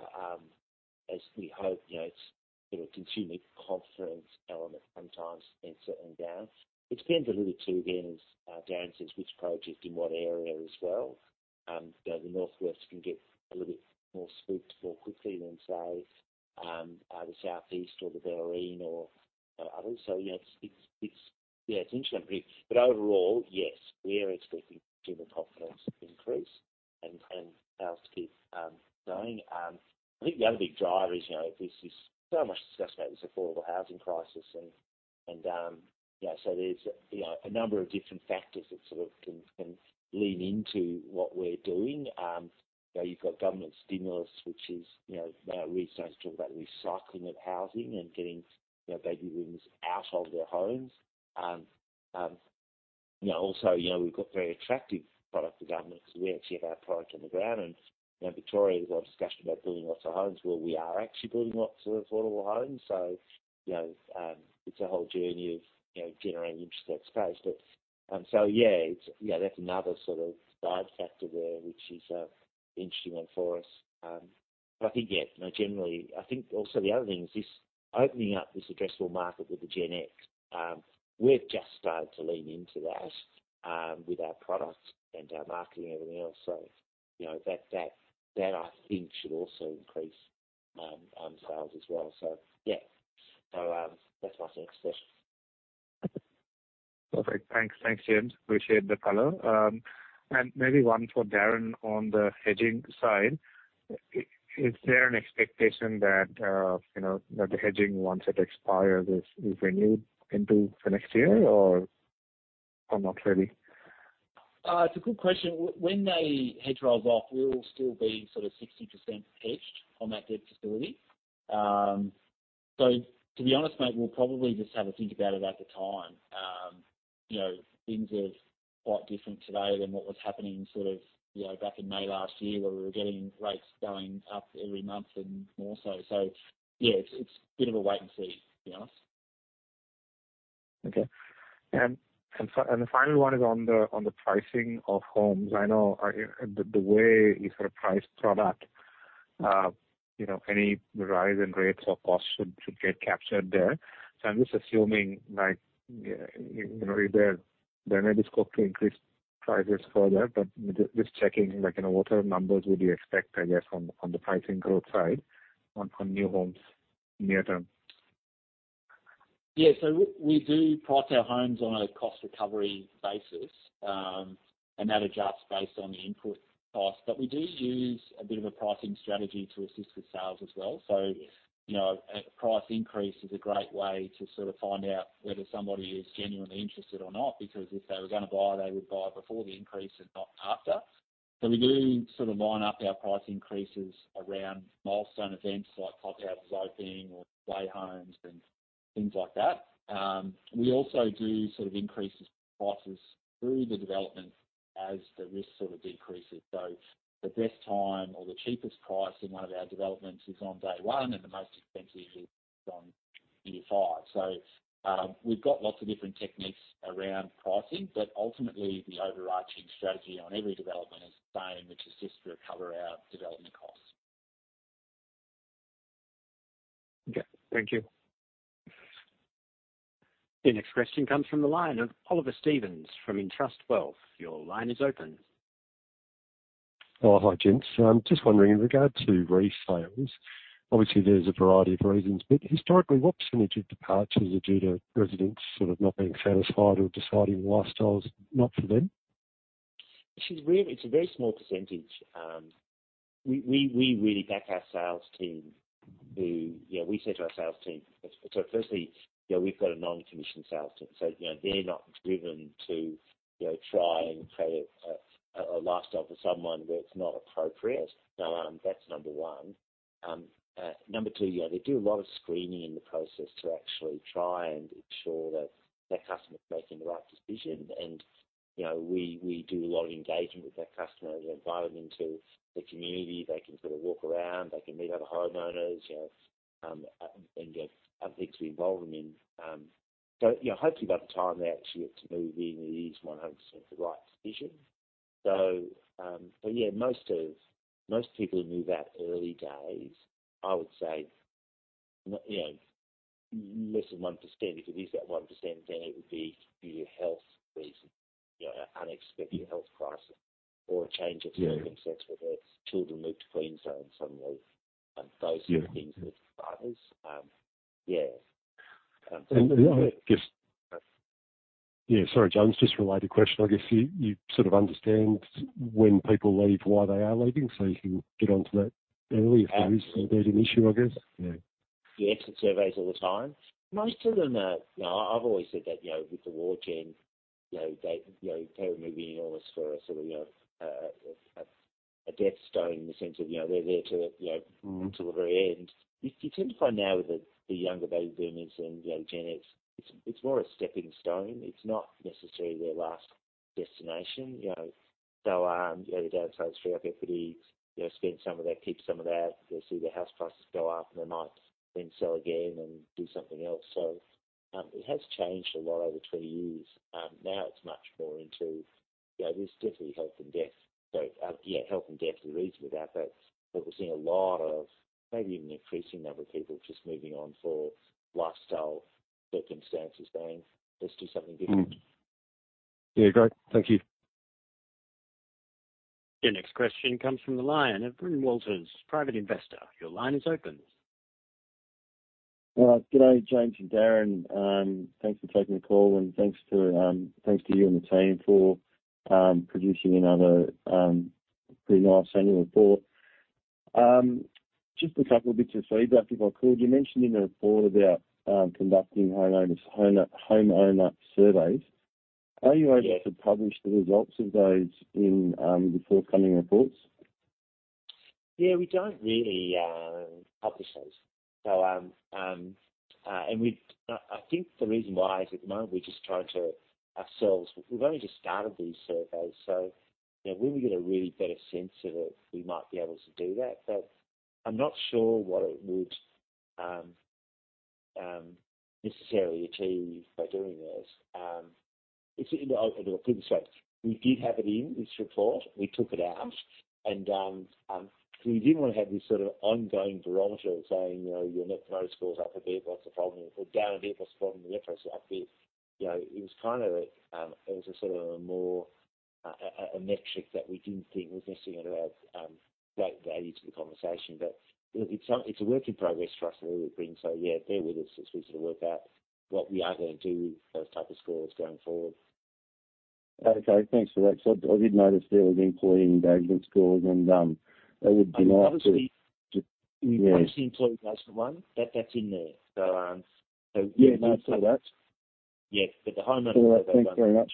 as we hope, you know, it's sort of consumer confidence element sometimes in certain down. It depends a little too, again, as Darren says, which project in what area as well. You know, the Northwest can get a little bit more spooked more quickly than, say, the Southeast or the Bellarine or others. You know, it's, it's, it's, yeah, it's interesting. Overall, yes, we are expecting consumer confidence to increase and, and sales to keep going. I think the other big driver is, you know, there's so much discussion about this affordable housing crisis and, and, you know, so there's, you know, a number of different factors that sort of can, can lean into what we're doing. You know, you've got government stimulus, which is, you know, we start to talk about recycling of housing and getting, you know, baby boomers out of their homes. You know, also, you know, we've got very attractive product to government, so we actually have our product on the ground. You know, Victoria, there's a lot of discussion about building lots of homes. Well, we are actually building lots of affordable homes. You know, it's a whole journey of, you know, generating interest in that space. Yeah, it's, yeah, that's another sort of side factor there, which is an interesting one for us. I think, yeah, you know, generally, I think also the other thing is this opening up this addressable market with the Gen X. We've just started to lean into that, with our products and our marketing, everything else. You know, that, that, that I think should also increase, sales as well. Yeah, so, that's my take on it. Perfect. Thanks. Thanks, James. Appreciate the color. Maybe one for Darren on the hedging side. Is there an expectation that, you know, that the hedging, once it expires, is, is renewed into the next year or, or not really? It's a good question. When the hedge rolls off, we'll still be sort of 60% hedged on that debt facility. To be honest, mate, we'll probably just have a think about it at the time. You know, things are quite different today than what was happening sort of, you know, back in May last year, where we were getting rates going up every month and more so. Yeah, it's, it's a bit of a wait and see, to be honest. Okay. The final one is on the pricing of homes. I know, the way you sort of price product, you know, any rise in rates or costs should get captured there. I'm just assuming, like, you know, there may be scope to increase prices further, but just checking, like, you know, what other numbers would you expect, I guess, on the pricing growth side, on new homes near term? Yeah. We, we do price our homes on a cost recovery basis, and that adjusts based on the input costs. We do use a bit of a pricing strategy to assist with sales as well. You know, a price increase is a great way to sort of find out whether somebody is genuinely interested or not, because if they were going to buy, they would buy before the increase and not after. We do sort of line up our price increases around milestone events like clubhouse opening or play homes and things like that. We also do sort of increases prices through the development as the risk sort of decreases. The best time or the cheapest price in one of our developments is on day one, and the most expensive is on year five. We've got lots of different techniques around pricing, but ultimately, the overarching strategy on every development is the same, which is just to recover our development costs. Okay, thank you. The next question comes from the line of Oliver Stevens from Entrust Wealth. Your line is open. Oh, hi, gents. Just wondering, in regard to resales, obviously there's a variety of reasons, but historically, what percentage of departures are due to residents sort of not being satisfied or deciding lifestyles, not for them? Actually, it's a very small percentage. We, we, we really back our sales team to, you know, we say to our sales team. Firstly, you know, we've got a non-commissioned sales team, so, you know, they're not driven to, you know, try and create a, a, a lifestyle for someone where it's not appropriate. That's number one. Number two, yeah, they do a lot of screening in the process to actually try and ensure that the customer is making the right decision. You know, we, we do a lot of engagement with that customer. We invite them into the community. They can sort of walk around, they can meet other homeowners, you know, and get other things to involve them in. You know, hopefully by the time they actually get to move in, it is 100% the right decision. Yeah, most people who move out early days, I would say, you know, less than 1%. If it is that 1%, then it would be due to health reasons, you know, unexpected health crisis or a change of circumstances... Yeah. where their children move to Queensland suddenly and those- Yeah. kind of things with buyers. Yeah. I guess... Yeah, sorry, James, just a related question. I guess you, you sort of understand when people leave, why they are leaving, so you can get onto that early... Absolutely. If there is an issue, I guess? Yeah. Yes, it surveys all the time. Most of them are... You know, I've always said that, you know, with the war gen, you know, they, you know, they were moving in on us for a sort of, you know, a, a death stone in the sense of, you know, they're there to, you know... Mm-hmm. to the very end. You tend to find now with the younger baby boomers and, you know, Gen X, it's, it's more a stepping stone. It's not necessarily their last destination, you know. You know, downsize free equity, you know, spend some of that, keep some of that. They'll see the house prices go up, and they might then sell again and do something else. It has changed a lot over 20 years. Now it's much more into, you know, there's definitely health and death. Yeah, health and death are the reason for that, but we're seeing a lot of maybe an increasing number of people just moving on for lifestyle circumstances, going, "Let's do something different. Mm-hmm. Yeah, great. Thank you. Your next question comes from the line of Bryn Walters, private investor. Your line is open. Good day, James and Darren. Thanks for taking the call, and thanks to you and the team for producing another pretty nice annual report. Just a couple of bits of feedback, if I could. You mentioned in the report about conducting homeowner surveys. Yeah. Are you able to publish the results of those in the forthcoming reports? Yeah, we don't really publish those. I think the reason why is at the moment we're just trying to ourselves... We've only just started these surveys, so, you know, when we get a really better sense of it, we might be able to do that. I'm not sure what it would necessarily achieve by doing this. Look, put it this way, we did have it in this report, we took it out, we didn't want to have this sort of ongoing barometer of saying, you know, your Net Promoter Score is up here, what's the problem? Or down here, what's the problem, and the other up here. You know, it was kind of, it was a sort of a more, a, a, a metric that we didn't think was necessarily great value to the conversation, but it's, it's a work in progress for us, where we've been. Yeah, bear with us as we sort of work out what we are going to do with those type of scores going forward. Okay, thanks for that. I did notice there was employee engagement scores and they would be- Obviously- Yeah. When it's the employee, that's the one, that, that's in there. Yeah, no, I saw that. Yeah. All right. Thanks very much.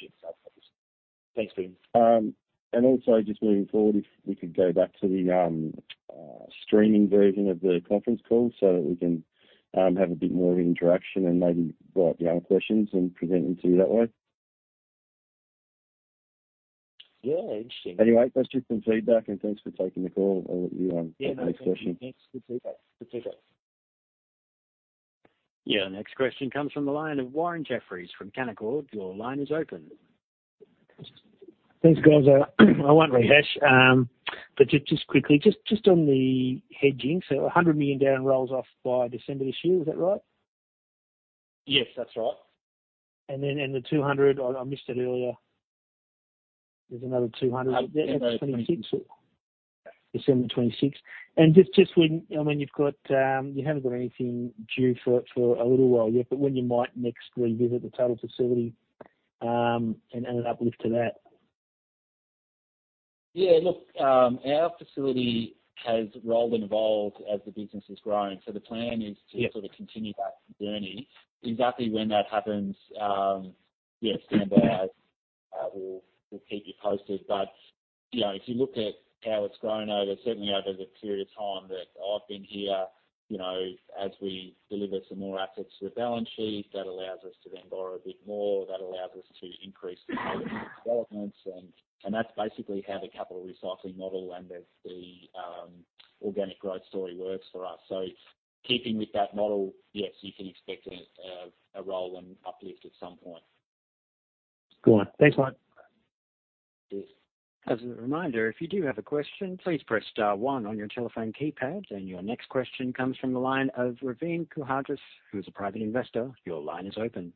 Thanks, Bryn. Also just moving forward, if we could go back to the streaming version of the conference call so that we can have a bit more interaction and maybe write down questions and present them to you that way. Yeah, interesting. Anyway, that's just some feedback, and thanks for taking the call. I'll let you on to the next question. Thanks. Good feedback. Good feedback. Yeah, next question comes from the line of Warren Jeffries from Canaccord. Your line is open. Thanks, guys. I won't rehash, but just, just quickly, just, just on the hedging. A $100 million down rolls off by December this year. Is that right? Yes, that's right. The 200, I missed it earlier. There's another 200- 26. December 26. Just when, I mean, you've got, you haven't got anything due for a little while yet, when you might next revisit the total facility, and an uplift to that? Yeah, look, our facility has rolled and evolved as the business is growing, so the plan is. Yeah... sort of continue that journey. Exactly when that happens, Yeah, stand by, we'll, we'll keep you posted. You know, if you look at how it's grown over, certainly over the period of time that I've been here, you know, as we deliver some more assets to the balance sheet, that allows us to then borrow a bit more. That allows us to increase the developments, and, and that's basically how the capital recycling model and the organic growth story works for us. Keeping with that model, yes, you can expect a, a, a roll and uplift at some point. Good one. Thanks a lot. Yes. As a reminder, if you do have a question, please press star 1 on your telephone keypad. Your next question comes from the line of Ravin Kuhadrus, who is a private investor. Your line is open.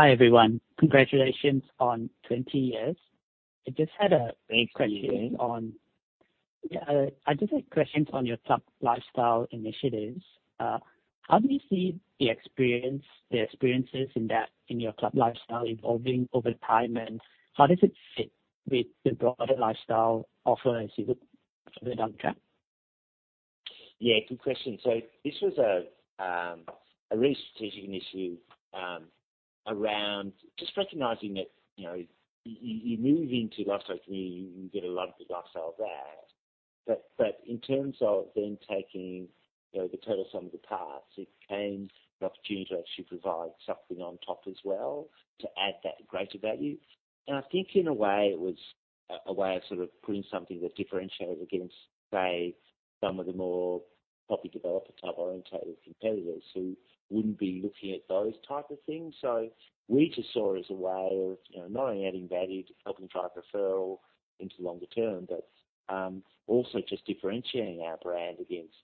Hi, everyone. Congratulations on 20 years. I just had a- Thank you.... question on- Yeah, I just have questions on your Club Lifestyle initiatives. How do you see the experience, the experiences in that, in your Club Lifestyle evolving over time, and how does it fit with the broader lifestyle offer as you look further down the track? Yeah, good question. This was a real strategic initiative around just recognizing that, you know, you, you, you move into lifestyle community, you get a lot of the lifestyle there. But in terms of then taking, you know, the total sum of the parts, it became an opportunity to actually provide something on top as well, to add that greater value. I think in a way, it was a way of sort of putting something that differentiated against, say, some of the more property developer type oriented competitors who wouldn't be looking at those type of things. We just saw it as a way of, you know, not only adding value to helping drive referral into longer term, but also just differentiating our brand against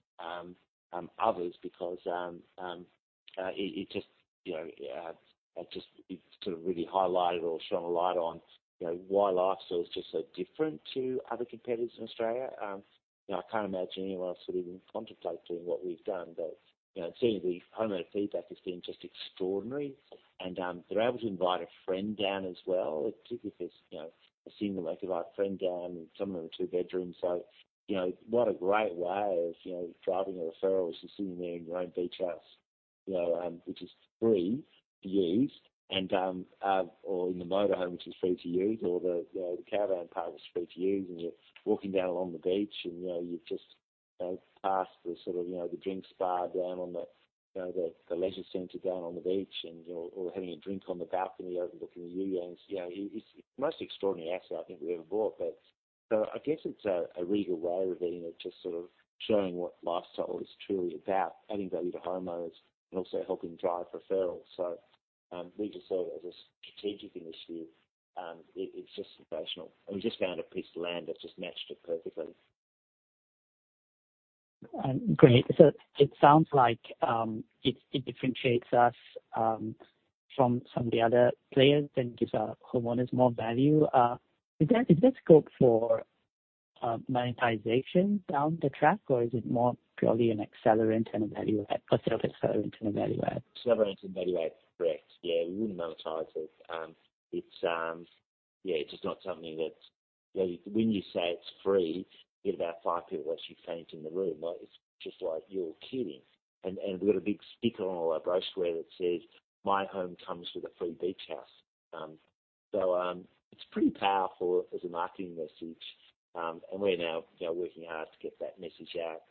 others because it, it just, you know, it just, it sort of really highlighted or shone a light on, you know, why Lifestyle is just so different to other competitors in Australia. You know, I can't imagine anyone else would even contemplate doing what we've done, but, you know, it seems the homeowner feedback has been just extraordinary. They're able to invite a friend down as well, particularly if it's, you know, seeing them invite a friend down, and some of them are two bedrooms. You know, what a great way of, you know, driving a referral is just sitting there in your own beach house, you know, which is free to use and, or in the motor home, which is free to use, or the, you know, the caravan park is free to use, and you're walking down along the beach and, you know, you've just, you know, passed the sort of, you know, the drinks bar down on the, you know, the, the leisure center down on the beach and, or, or having a drink on the balcony overlooking the unions. You know, it, it's the most extraordinary asset I think we've ever bought. I guess it's a, a real way of being, of just sort of showing what lifestyle is truly about, adding value to homeowners and also helping drive referrals. We just saw it as a strategic initiative, it, it's just sensational, and we just found a piece of land that just matched it perfectly. Great. It sounds like, it, it differentiates us from some of the other players and gives our homeowners more value. Is there, is there scope for monetization down the track, or is it more purely an accelerant and a value add? A sort of accelerant and a value add? Accelerant and value add, correct. Yeah, we wouldn't monetize it. It's, yeah, it's just not something that's. You know, when you say it's free, you get about five people actually faint in the room, like, it's just like, "You're kidding." And we've got a big sticker on all our brochure that says, "My home comes with a free beach house." It's pretty powerful as a marketing message, and we're now, you know, working hard to get that message out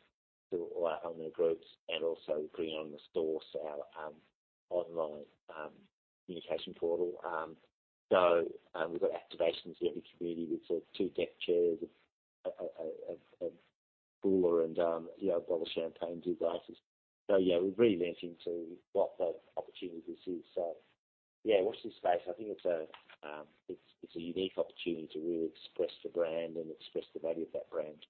to all our homeowner groups and also putting it on the stores, our online communication portal. We've got activations in every community with sort of two deck chairs, a cooler and, you know, a bottle of champagne, two glasses. Yeah, we're really venting to what the opportunity this is. Yeah, watch this space. I think it's a, it's, it's a unique opportunity to really express the brand and express the value of that brand.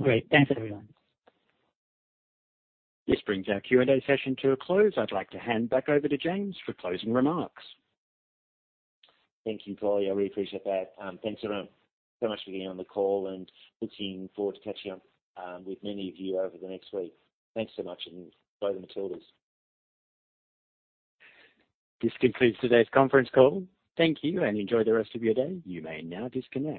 Great. Thanks, everyone. This brings our Q&A session to a close. I'd like to hand back over to James for closing remarks. Thank you, Paulie, I really appreciate that. Thanks everyone so much for getting on the call and looking forward to catching up with many of you over the next week. Thanks so much, and go the Matildas. This concludes today's conference call. Thank you, and enjoy the rest of your day. You may now disconnect.